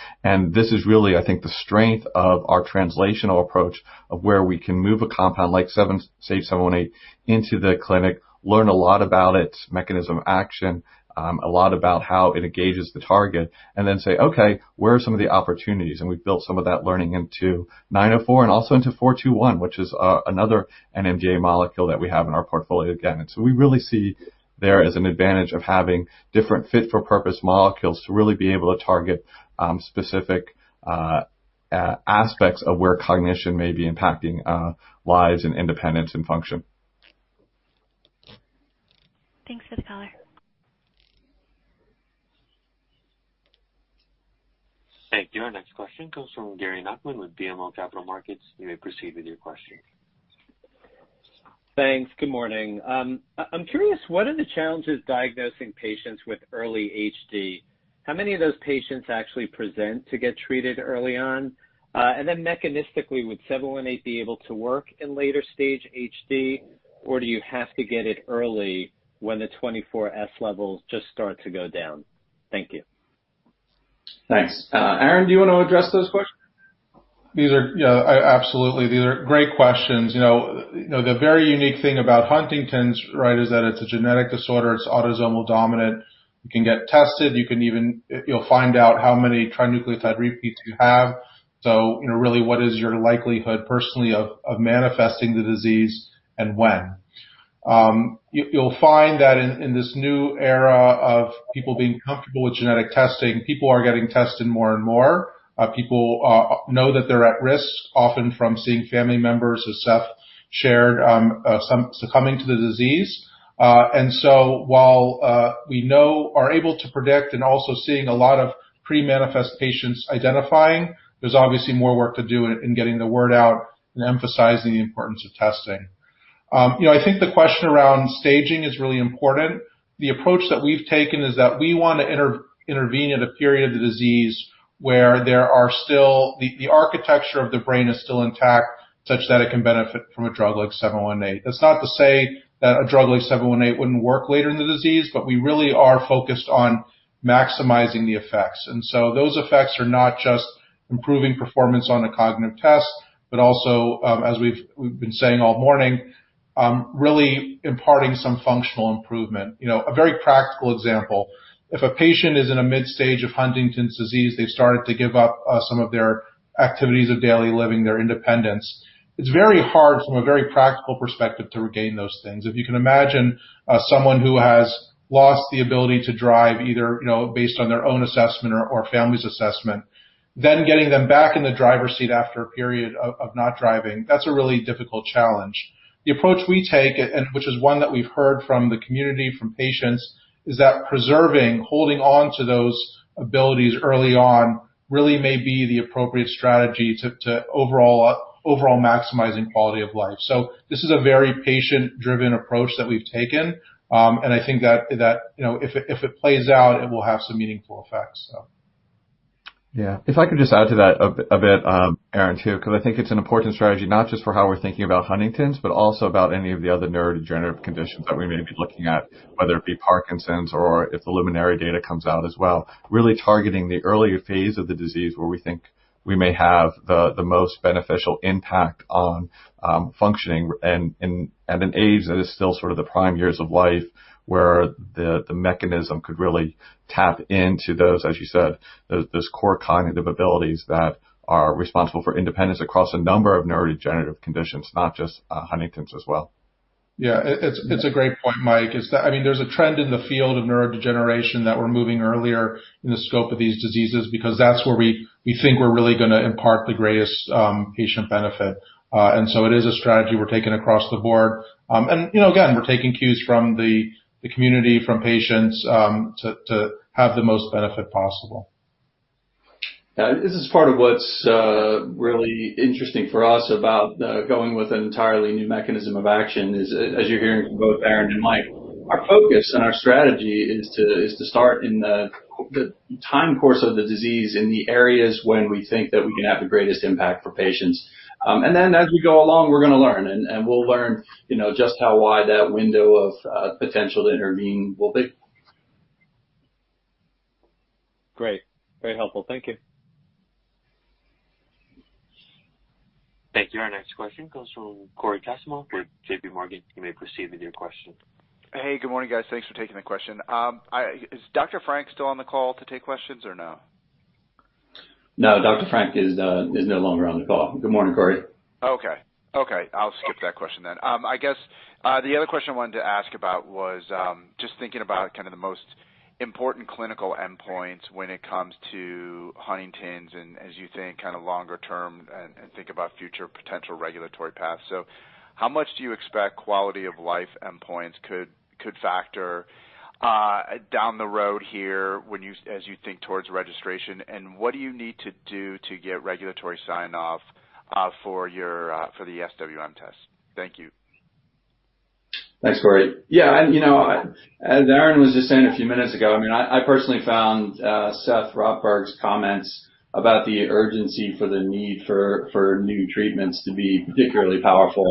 This is really, I think, the strength of our translational approach of where we can move a compound like SAGE-718 into the clinic, learn a lot about its mechanism action, a lot about how it engages the target, and then say, "Okay, where are some of the opportunities?" We've built some of that learning into 904 and also into 421, which is another NMDA molecule that we have in our portfolio again. We really see there as an advantage of having different fit-for-purpose molecules to really be able to target specific aspects of where cognition may be impacting lives and independence and function. Thanks, guys. Thank you. Our next question comes from Gary Nachman with BMO Capital Markets. You may proceed with your question. Thanks. Good morning. I'm curious, what are the challenges diagnosing patients with early HD? How many of those patients actually present to get treated early on? Mechanistically, would 718 be able to work in later stage HD, or do you have to get it early when the 24S levels just start to go down? Thank you. Thanks. Aaron, do you want to address those questions? Yeah, absolutely. These are great questions. The very unique thing about Huntington's is that it's a genetic disorder, it's autosomal dominant. You can get tested, you'll find out how many trinucleotide repeats you have, really, what is your likelihood personally of manifesting the disease and when. You'll find that in this new era of people being comfortable with genetic testing, people are getting tested more and more. People know that they're at risk, often from seeing family members, as Seth shared, succumbing to the disease. While we are able to predict and also seeing a lot of pre-manifest patients identifying, there's obviously more work to do in getting the word out and emphasizing the importance of testing. I think the question around staging is really important. The approach that we've taken is that we want to intervene in a period of the disease where the architecture of the brain is still intact, such that it can benefit from a drug like 718. That's not to say that a drug like 718 wouldn't work later in the disease. We really are focused on maximizing the effects. Those effects are not just improving performance on a cognitive test, but also, as we've been saying all morning, really imparting some functional improvement. A very practical example, if a patient is in a mid-stage of Huntington's disease, they've started to give up some of their activities of daily living, their independence, it's very hard from a very practical perspective to regain those things. If you can imagine someone who has lost the ability to drive, either based on their own assessment or family's assessment, then getting them back in the driver's seat after a period of not driving, that's a really difficult challenge. The approach we take, and which is one that we've heard from the community, from patients, is that preserving, holding on to those abilities early on really may be the appropriate strategy to overall maximizing quality of life. This is a very patient-driven approach that we've taken, and I think that if it plays out, it will have some meaningful effects. If I could just add to that a bit, Aaron, too, because I think it's an important strategy, not just for how we're thinking about Huntington's, but also about any of the other neurodegenerative conditions that we may be looking at, whether it be Parkinson's or if the LUMINARY data comes out as well, really targeting the earlier phase of the disease where we think we may have the most beneficial impact on functioning, and at an age that is still sort of the prime years of life, where the mechanism could really tap into those, as you said, those core cognitive abilities that are responsible for independence across a number of neurodegenerative conditions, not just Huntington's as well. Yeah. It's a great point, Mike. There's a trend in the field of neurodegeneration that we're moving earlier in the scope of these diseases because that's where we think we're really going to impart the greatest patient benefit. It is a strategy we're taking across the board. Again, we're taking cues from the community, from patients, to have the most benefit possible. This is part of what's really interesting for us about going with an entirely new mechanism of action is, as you're hearing from both Aaron and Mike, our focus and our strategy is to start in the time course of the disease in the areas when we think that we can have the greatest impact for patients. Then as we go along, we're going to learn, and we'll learn just how wide that window of potential to intervene will be. Great. Very helpful. Thank you. Thank you. Our next question comes from Cory Kasimov with JPMorgan. You may proceed with your question. Hey, good morning, guys. Thanks for taking the question. Is Dr. Frank still on the call to take questions or no? No, Dr. Frank is no longer on the call. Good morning, Cory. Okay. I'll skip that question then. I guess the other question I wanted to ask about was just thinking about kind of the most important clinical endpoints when it comes to Huntington's and as you think kind of longer term and think about future potential regulatory paths. How much do you expect quality of life endpoints could factor down the road here as you think towards registration, and what do you need to do to get regulatory sign-off for the SWM test? Thank you. Thanks, Cory. Yeah. As Aaron was just saying a few minutes ago, I personally found Seth Rotberg's comments about the urgency for the need for new treatments to be particularly powerful.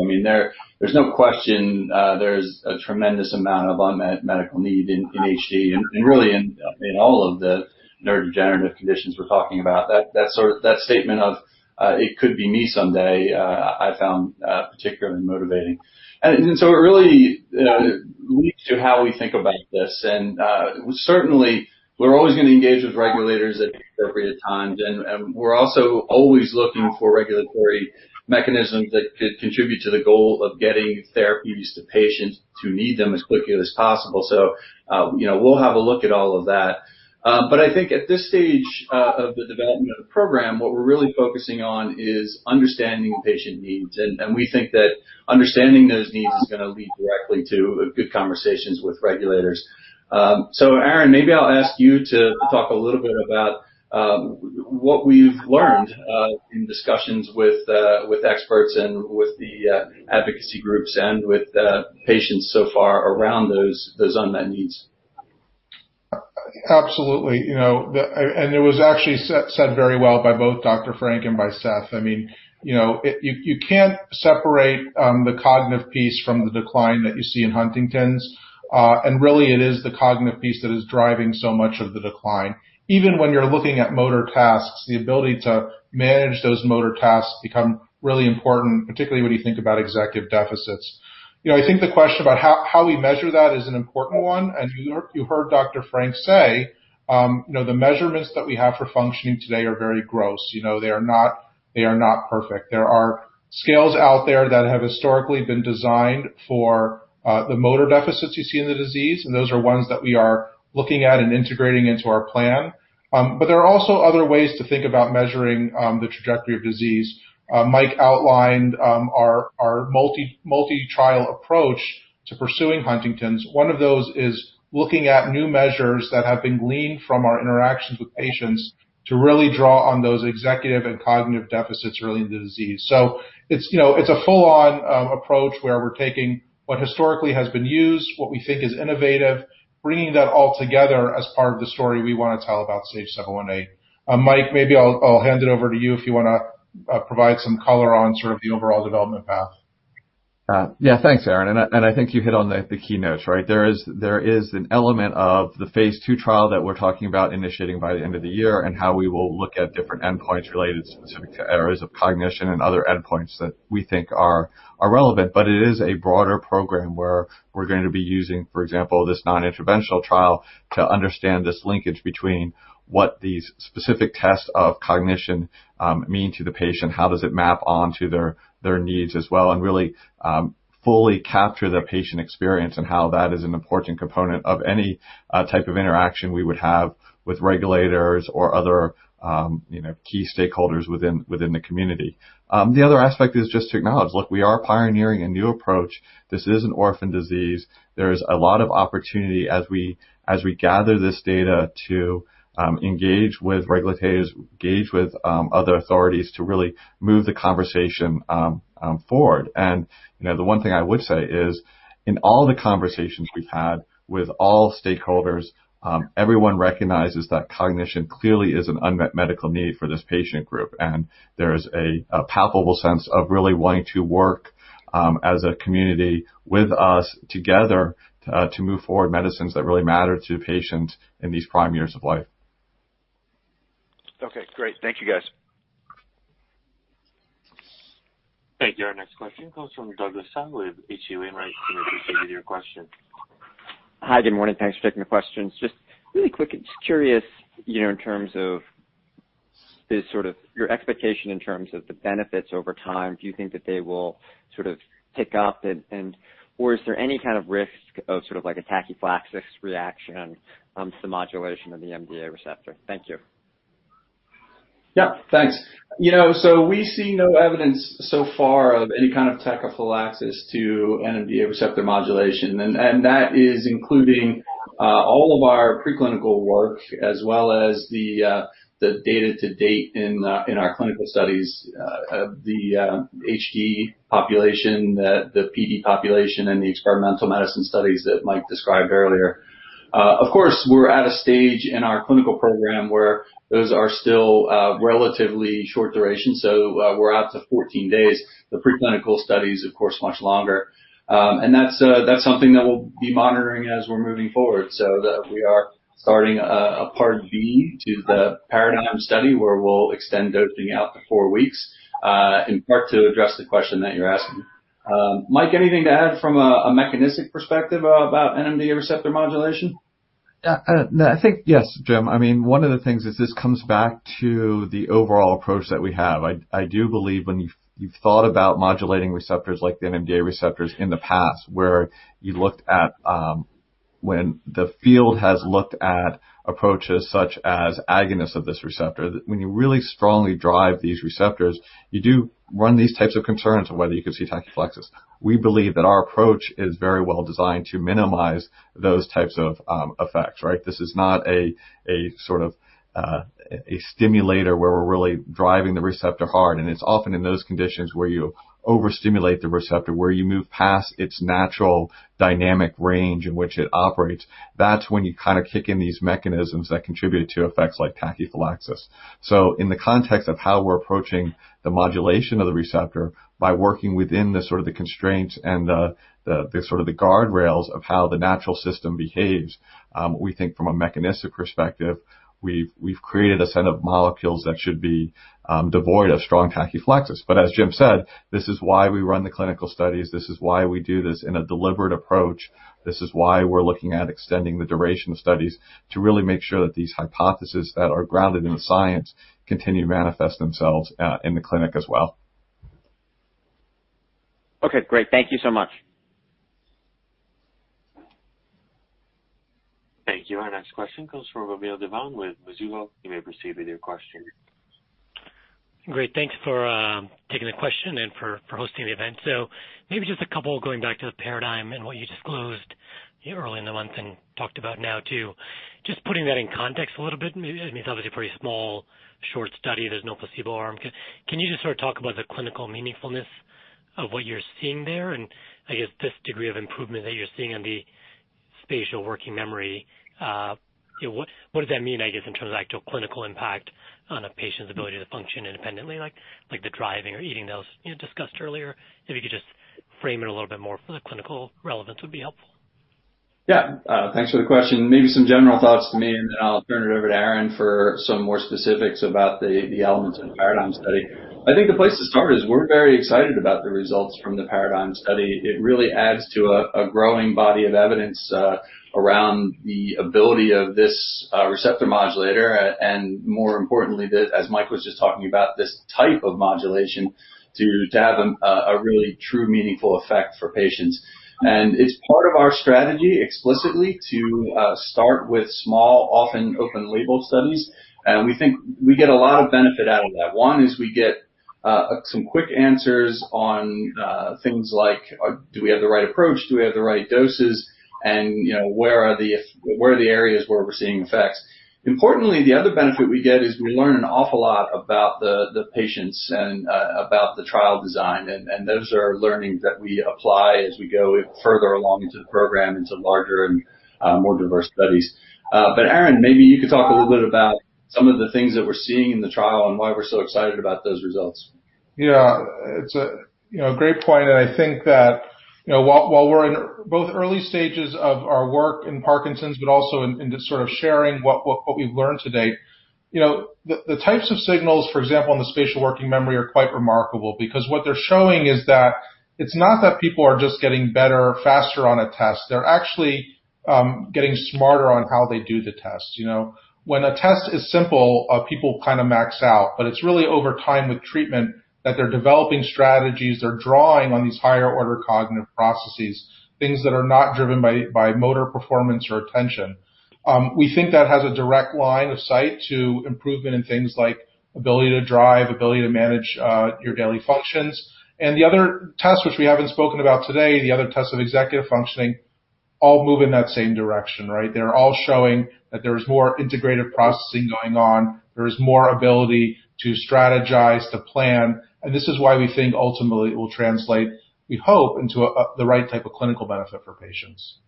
There's no question there's a tremendous amount of unmet medical need in HD and really in all of the neurodegenerative conditions we're talking about. That statement of, "It could be me someday," I found particularly motivating. It really leads to how we think about this. Certainly, we're always going to engage with regulators at appropriate times, and we're also always looking for regulatory mechanisms that could contribute to the goal of getting therapies to patients who need them as quickly as possible. We'll have a look at all of that. I think at this stage of the development of the program, what we're really focusing on is understanding patient needs, and we think that understanding those needs is going to lead directly to good conversations with regulators. Aaron, maybe I'll ask you to talk a little bit about what we've learned in discussions with experts and with the advocacy groups and with patients so far around those unmet needs. Absolutely. It was actually said very well by both Dr. Frank and by Seth. You can't separate the cognitive piece from the decline that you see in Huntington's. Really it is the cognitive piece that is driving so much of the decline. Even when you're looking at motor tasks, the ability to manage those motor tasks become really important, particularly when you think about executive deficits. I think the question about how we measure that is an important one, and you heard Dr. Frank say the measurements that we have for functioning today are very gross. They are not perfect. There are scales out there that have historically been designed for the motor deficits you see in the disease, and those are ones that we are looking at and integrating into our plan. There are also other ways to think about measuring the trajectory of disease. Mike outlined our multi-trial approach to pursuing Huntington's. One of those is looking at new measures that have been gleaned from our interactions with patients to really draw on those executive and cognitive deficits related to the disease. It's a full-on approach where we're taking what historically has been used, what we think is innovative, bringing that all together as part of the story we want to tell about SAGE-718. Mike, maybe I'll hand it over to you if you want to provide some color on sort of the overall development path. Yeah. Thanks, Aaron. I think you hit on the key notes, right? There is an element of the phase II trial that we're talking about initiating by the end of the year and how we will look at different endpoints related specific to areas of cognition and other endpoints that we think are relevant. It is a broader program where we're going to be using, for example, this non-interventional trial to understand this linkage between what these specific tests of cognition mean to the patient, how does it map onto their needs as well, and really fully capture the patient experience and how that is an important component of any type of interaction we would have with regulators or other key stakeholders within the community. The other aspect is just to acknowledge, look, we are pioneering a new approach. This is an orphan disease. There is a lot of opportunity as we gather this data to engage with regulators, engage with other authorities to really move the conversation forward. The one thing I would say is, in all the conversations we've had with all stakeholders, everyone recognizes that cognition clearly is an unmet medical need for this patient group, and there is a palpable sense of really wanting to work as a community with us together, to move forward medicines that really matter to patients in these prime years of life. Okay, great. Thank you, guys. Thank you. Our next question comes from Douglas Tsao with H.C. Wainwright. You may proceed with your question. Hi. Good morning. Thanks for taking the questions. Just really quick, just curious in terms of sort of your expectation in terms of the benefits over time, do you think that they will sort of tick up? Is there any kind of risk of sort of like a tachyphylaxis reaction to the modulation of the NMDA receptor? Thank you. Yeah, thanks. We see no evidence so far of any kind of tachyphylaxis to an NMDA receptor modulation. That is including all of our preclinical work as well as the data to date in our clinical studies of the HD population, the PD population, and the experimental medicine studies that Mike described earlier. Of course, we're at a stage in our clinical program where those are still relatively short duration, so we're out to 14 days. The preclinical study's, of course, much longer. That's something that we'll be monitoring as we're moving forward, we are starting a part B to the PARADIGM study, where we'll extend dosing out to four weeks, in part to address the question that you're asking. Mike, anything to add from a mechanistic perspective about NMDA receptor modulation? Yes, Jim. One of the things is this comes back to the overall approach that we have. I do believe when you've thought about modulating receptors like the NMDA receptors in the past, where the field has looked at approaches such as agonists of this receptor, that when you really strongly drive these receptors, you do run these types of concerns on whether you could see tachyphylaxis. We believe that our approach is very well designed to minimize those types of effects, right? This is not a sort of stimulator where we're really driving the receptor hard. It's often in those conditions where you overstimulate the receptor, where you move past its natural dynamic range in which it operates. That's when you kind of kick in these mechanisms that contribute to effects like tachyphylaxis. In the context of how we're approaching the modulation of the receptor by working within the sort of the constraints and the sort of the guardrails of how the natural system behaves, we think from a mechanistic perspective, we've created a set of molecules that should be devoid of strong tachyphylaxis. As Jim said, this is why we run the clinical studies. This is why we do this in a deliberate approach. This is why we're looking at extending the duration of studies to really make sure that these hypotheses that are grounded in science continue to manifest themselves in the clinic as well. Okay, great. Thank you so much. Thank you. Our next question comes from Vamil Divan with Mizuho. You may proceed with your question. Great. Thanks for taking the question and for hosting the event. Maybe just a couple going back to the PARADIGM and what you disclosed here early in the month and talked about now too. Just putting that in context a little bit, I mean, it's obviously a pretty small, short study. There's no placebo arm. Can you just sort of talk about the clinical meaningfulness of what you're seeing there? I guess this degree of improvement that you're seeing in the spatial working memory, what does that mean, I guess, in terms of actual clinical impact on a patient's ability to function independently, like the driving or eating that was discussed earlier? If you could just frame it a little bit more for the clinical relevance would be helpful. Yeah. Thanks for the question. Maybe some general thoughts from me, and then I'll turn it over to Aaron for some more specifics about the elements in the PARADIGM study. I think the place to start is we're very excited about the results from the PARADIGM study. It really adds to a growing body of evidence around the ability of this receptor modulator, and more importantly, as Mike was just talking about, this type of modulation to have a really true, meaningful effect for patients. It's part of our strategy explicitly to start with small, often open label studies. We think we get a lot of benefit out of that. One is we get some quick answers on things like, do we have the right approach? Do we have the right doses? Where are the areas where we're seeing effects? Importantly, the other benefit we get is we learn an awful lot about the patients and about the trial design, and those are learnings that we apply as we go further along into the program, into larger and more diverse studies. Aaron, maybe you could talk a little bit about some of the things that we're seeing in the trial and why we're so excited about those results. Yeah. It's a great point, and I think that while we're in both early stages of our work in Parkinson's, but also in just sort of sharing what we've learned to date. The types of signals, for example, in the spatial working memory are quite remarkable because what they're showing is that it's not that people are just getting better faster on a test. They're actually getting smarter on how they do the test. When a test is simple, people kind of max out. It's really over time with treatment that they're developing strategies. They're drawing on these higher order cognitive processes, things that are not driven by motor performance or attention. We think that has a direct line of sight to improvement in things like ability to drive, ability to manage your daily functions. The other tests, which we haven't spoken about today, the other tests of executive functioning all move in that same direction, right? They're all showing that there's more integrated processing going on. There is more ability to strategize, to plan, and this is why we think ultimately it will translate, we hope, into the right type of clinical benefit for patients.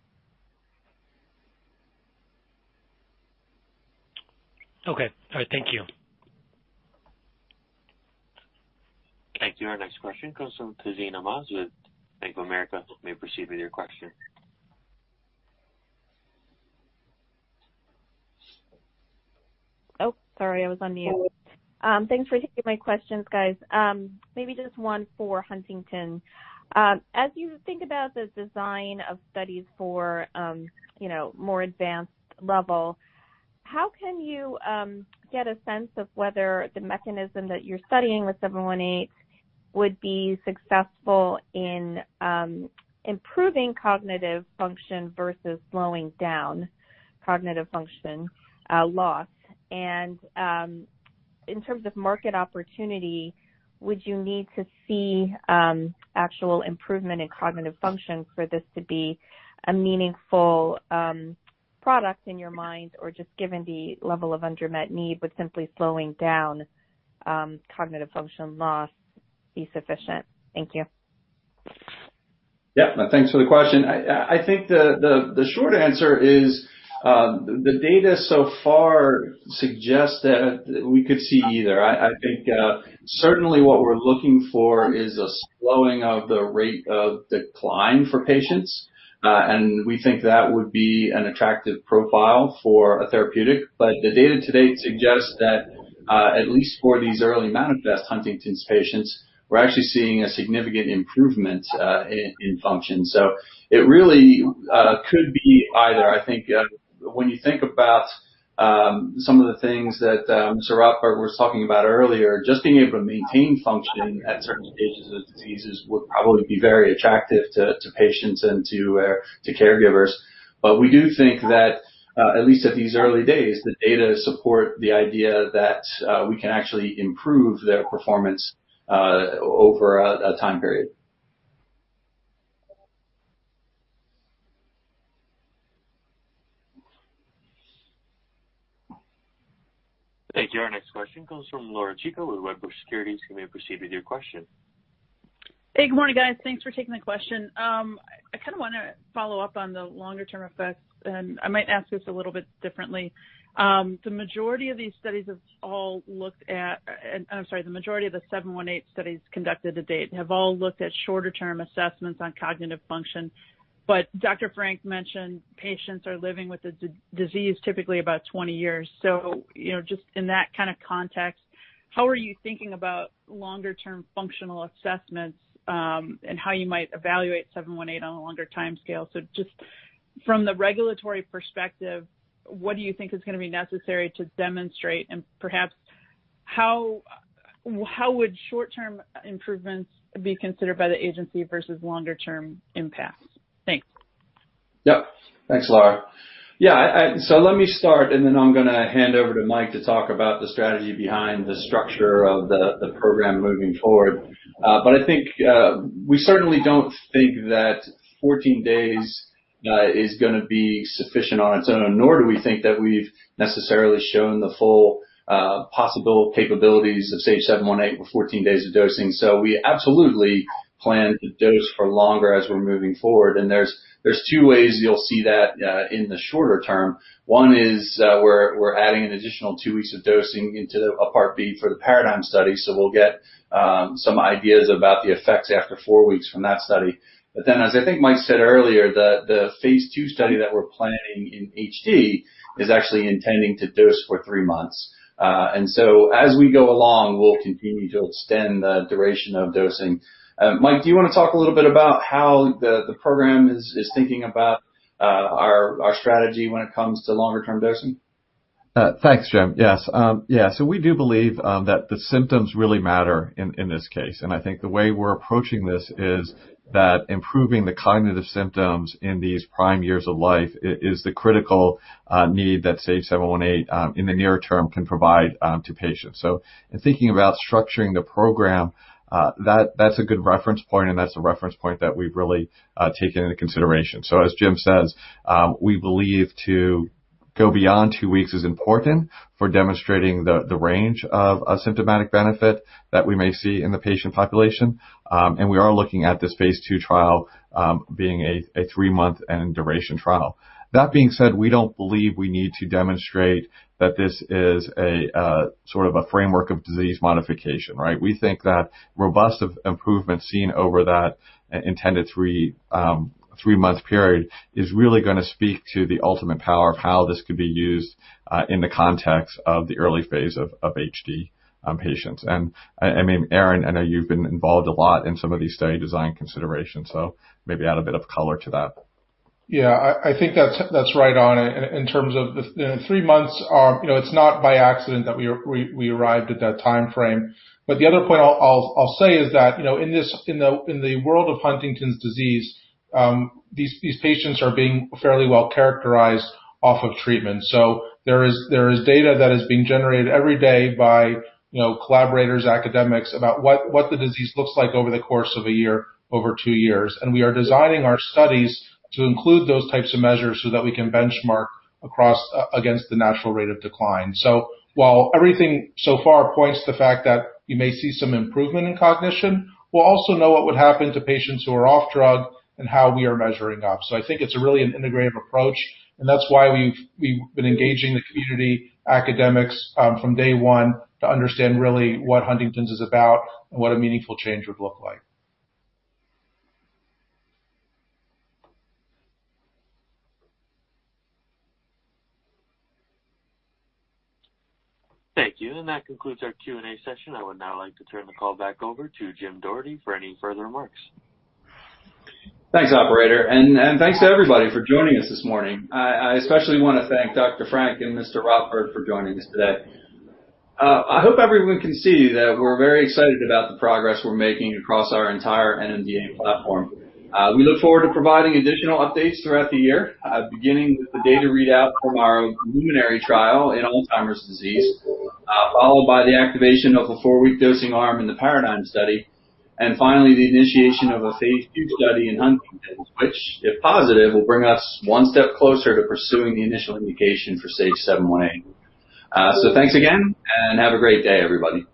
Okay. All right. Thank you. Thank you. Our next question comes from Tazeen Ahmad with Bank of America. You may proceed with your question. Oh, sorry, I was on mute. Thanks for taking my questions, guys. Maybe just one for Huntington. As you think about the design of studies for more advanced level, how can you get a sense of whether the mechanism that you're studying with 718 would be successful in improving cognitive function versus slowing down cognitive function loss? In terms of market opportunity, would you need to see actual improvement in cognitive function for this to be a meaningful product in your mind? Just given the level of unmet need, would simply slowing down cognitive function loss be sufficient? Thank you. Yeah. No, thanks for the question. The short answer is, the data so far suggests that we could see either. Certainly what we're looking for is a slowing of the rate of decline for patients. We think that would be an attractive profile for a therapeutic. The data to date suggests that, at least for these early manifest Huntington's patients, we're actually seeing a significant improvement in function. It really could be either. When you think about some of the things that Mr. Rotberg was talking about earlier, just being able to maintain functioning at certain stages of diseases would probably be very attractive to patients and to caregivers. We do think that, at least at these early days, the data support the idea that we can actually improve their performance over a time period. Thank you. Our next question comes from Laura Chico with Wedbush Securities. You may proceed with your question. Hey, good morning, guys. Thanks for taking the question. I kind of want to follow up on the longer-term effects. I might ask this a little bit differently. The majority of the 718 studies conducted to date have all looked at shorter-term assessments on cognitive function. Dr. Frank mentioned patients are living with the disease typically about 20 years. Just in that kind of context, how are you thinking about longer-term functional assessments? How you might evaluate 718 on a longer timescale? Just from the regulatory perspective, what do you think is going to be necessary to demonstrate? Perhaps how would short-term improvements be considered by the agency versus longer-term impacts? Thanks. Yep. Thanks, Laura. Yeah. Let me start, and then I'm going to hand over to Mike to talk about the strategy behind the structure of the program moving forward. I think we certainly don't think that 14 days is going to be sufficient on its own, nor do we think that we've necessarily shown the full possible capabilities of SAGE-718 with 14 days of dosing. We absolutely plan to dose for longer as we're moving forward. There's two ways you'll see that in the shorter term. One is, we're adding an additional two weeks of dosing into a part B for the PARADIGM study. We'll get some ideas about the effects after four weeks from that study. As I think Mike said earlier, the phase II study that we're planning in HD is actually intending to dose for three months. As we go along, we'll continue to extend the duration of dosing. Mike, do you want to talk a little bit about how the program is thinking about our strategy when it comes to longer-term dosing? Thanks, Jim. Yes. We do believe that the symptoms really matter in this case. I think the way we're approaching this is that improving the cognitive symptoms in these prime years of life is the critical need that SAGE-718, in the near term, can provide to patients. In thinking about structuring the program, that's a good reference point, and that's a reference point that we've really taken into consideration. As Jim says, we believe to go beyond two weeks is important for demonstrating the range of a symptomatic benefit that we may see in the patient population. We are looking at this phase II trial, being a three-month duration trial. That being said, we don't believe we need to demonstrate that this is a sort of a framework of disease modification, right? We think that robust improvement seen over that intended three-month period is really going to speak to the ultimate power of how this could be used, in the context of the early phase of HD patients. Aaron, I know you've been involved a lot in some of these study design considerations, so maybe add a bit of color to that. Yeah, I think that's right on. In terms of the three months, it's not by accident that we arrived at that timeframe. The other point I'll say is that in the world of Huntington's disease, these patients are being fairly well-characterized off of treatment. There is data that is being generated every day by collaborators, academics, about what the disease looks like over the course of a year, over two years. We are designing our studies to include those types of measures so that we can benchmark against the natural rate of decline. While everything so far points to the fact that you may see some improvement in cognition, we'll also know what would happen to patients who are off drug and how we are measuring up. I think it's really an integrative approach, and that's why we've been engaging the community academics from day one to understand really what Huntington's is about and what a meaningful change would look like. Thank you. That concludes our Q&A session. I would now like to turn the call back over to Jim Doherty for any further remarks. Thanks, Operator. Thanks to everybody for joining us this morning. I especially want to thank Dr. Frank and Mr. Seth Rotberg for joining us today. I hope everyone can see that we're very excited about the progress we're making across our entire NMDA platform. We look forward to providing additional updates throughout the year, beginning with the data readout from our LUMINARY trial in Alzheimer's disease, followed by the activation of a four-week dosing arm in the PARADIGM study, finally, the initiation of a phase II study in Huntington's, which, if positive, will bring us one step closer to pursuing the initial indication for SAGE-718. Thanks again, and have a great day, everybody.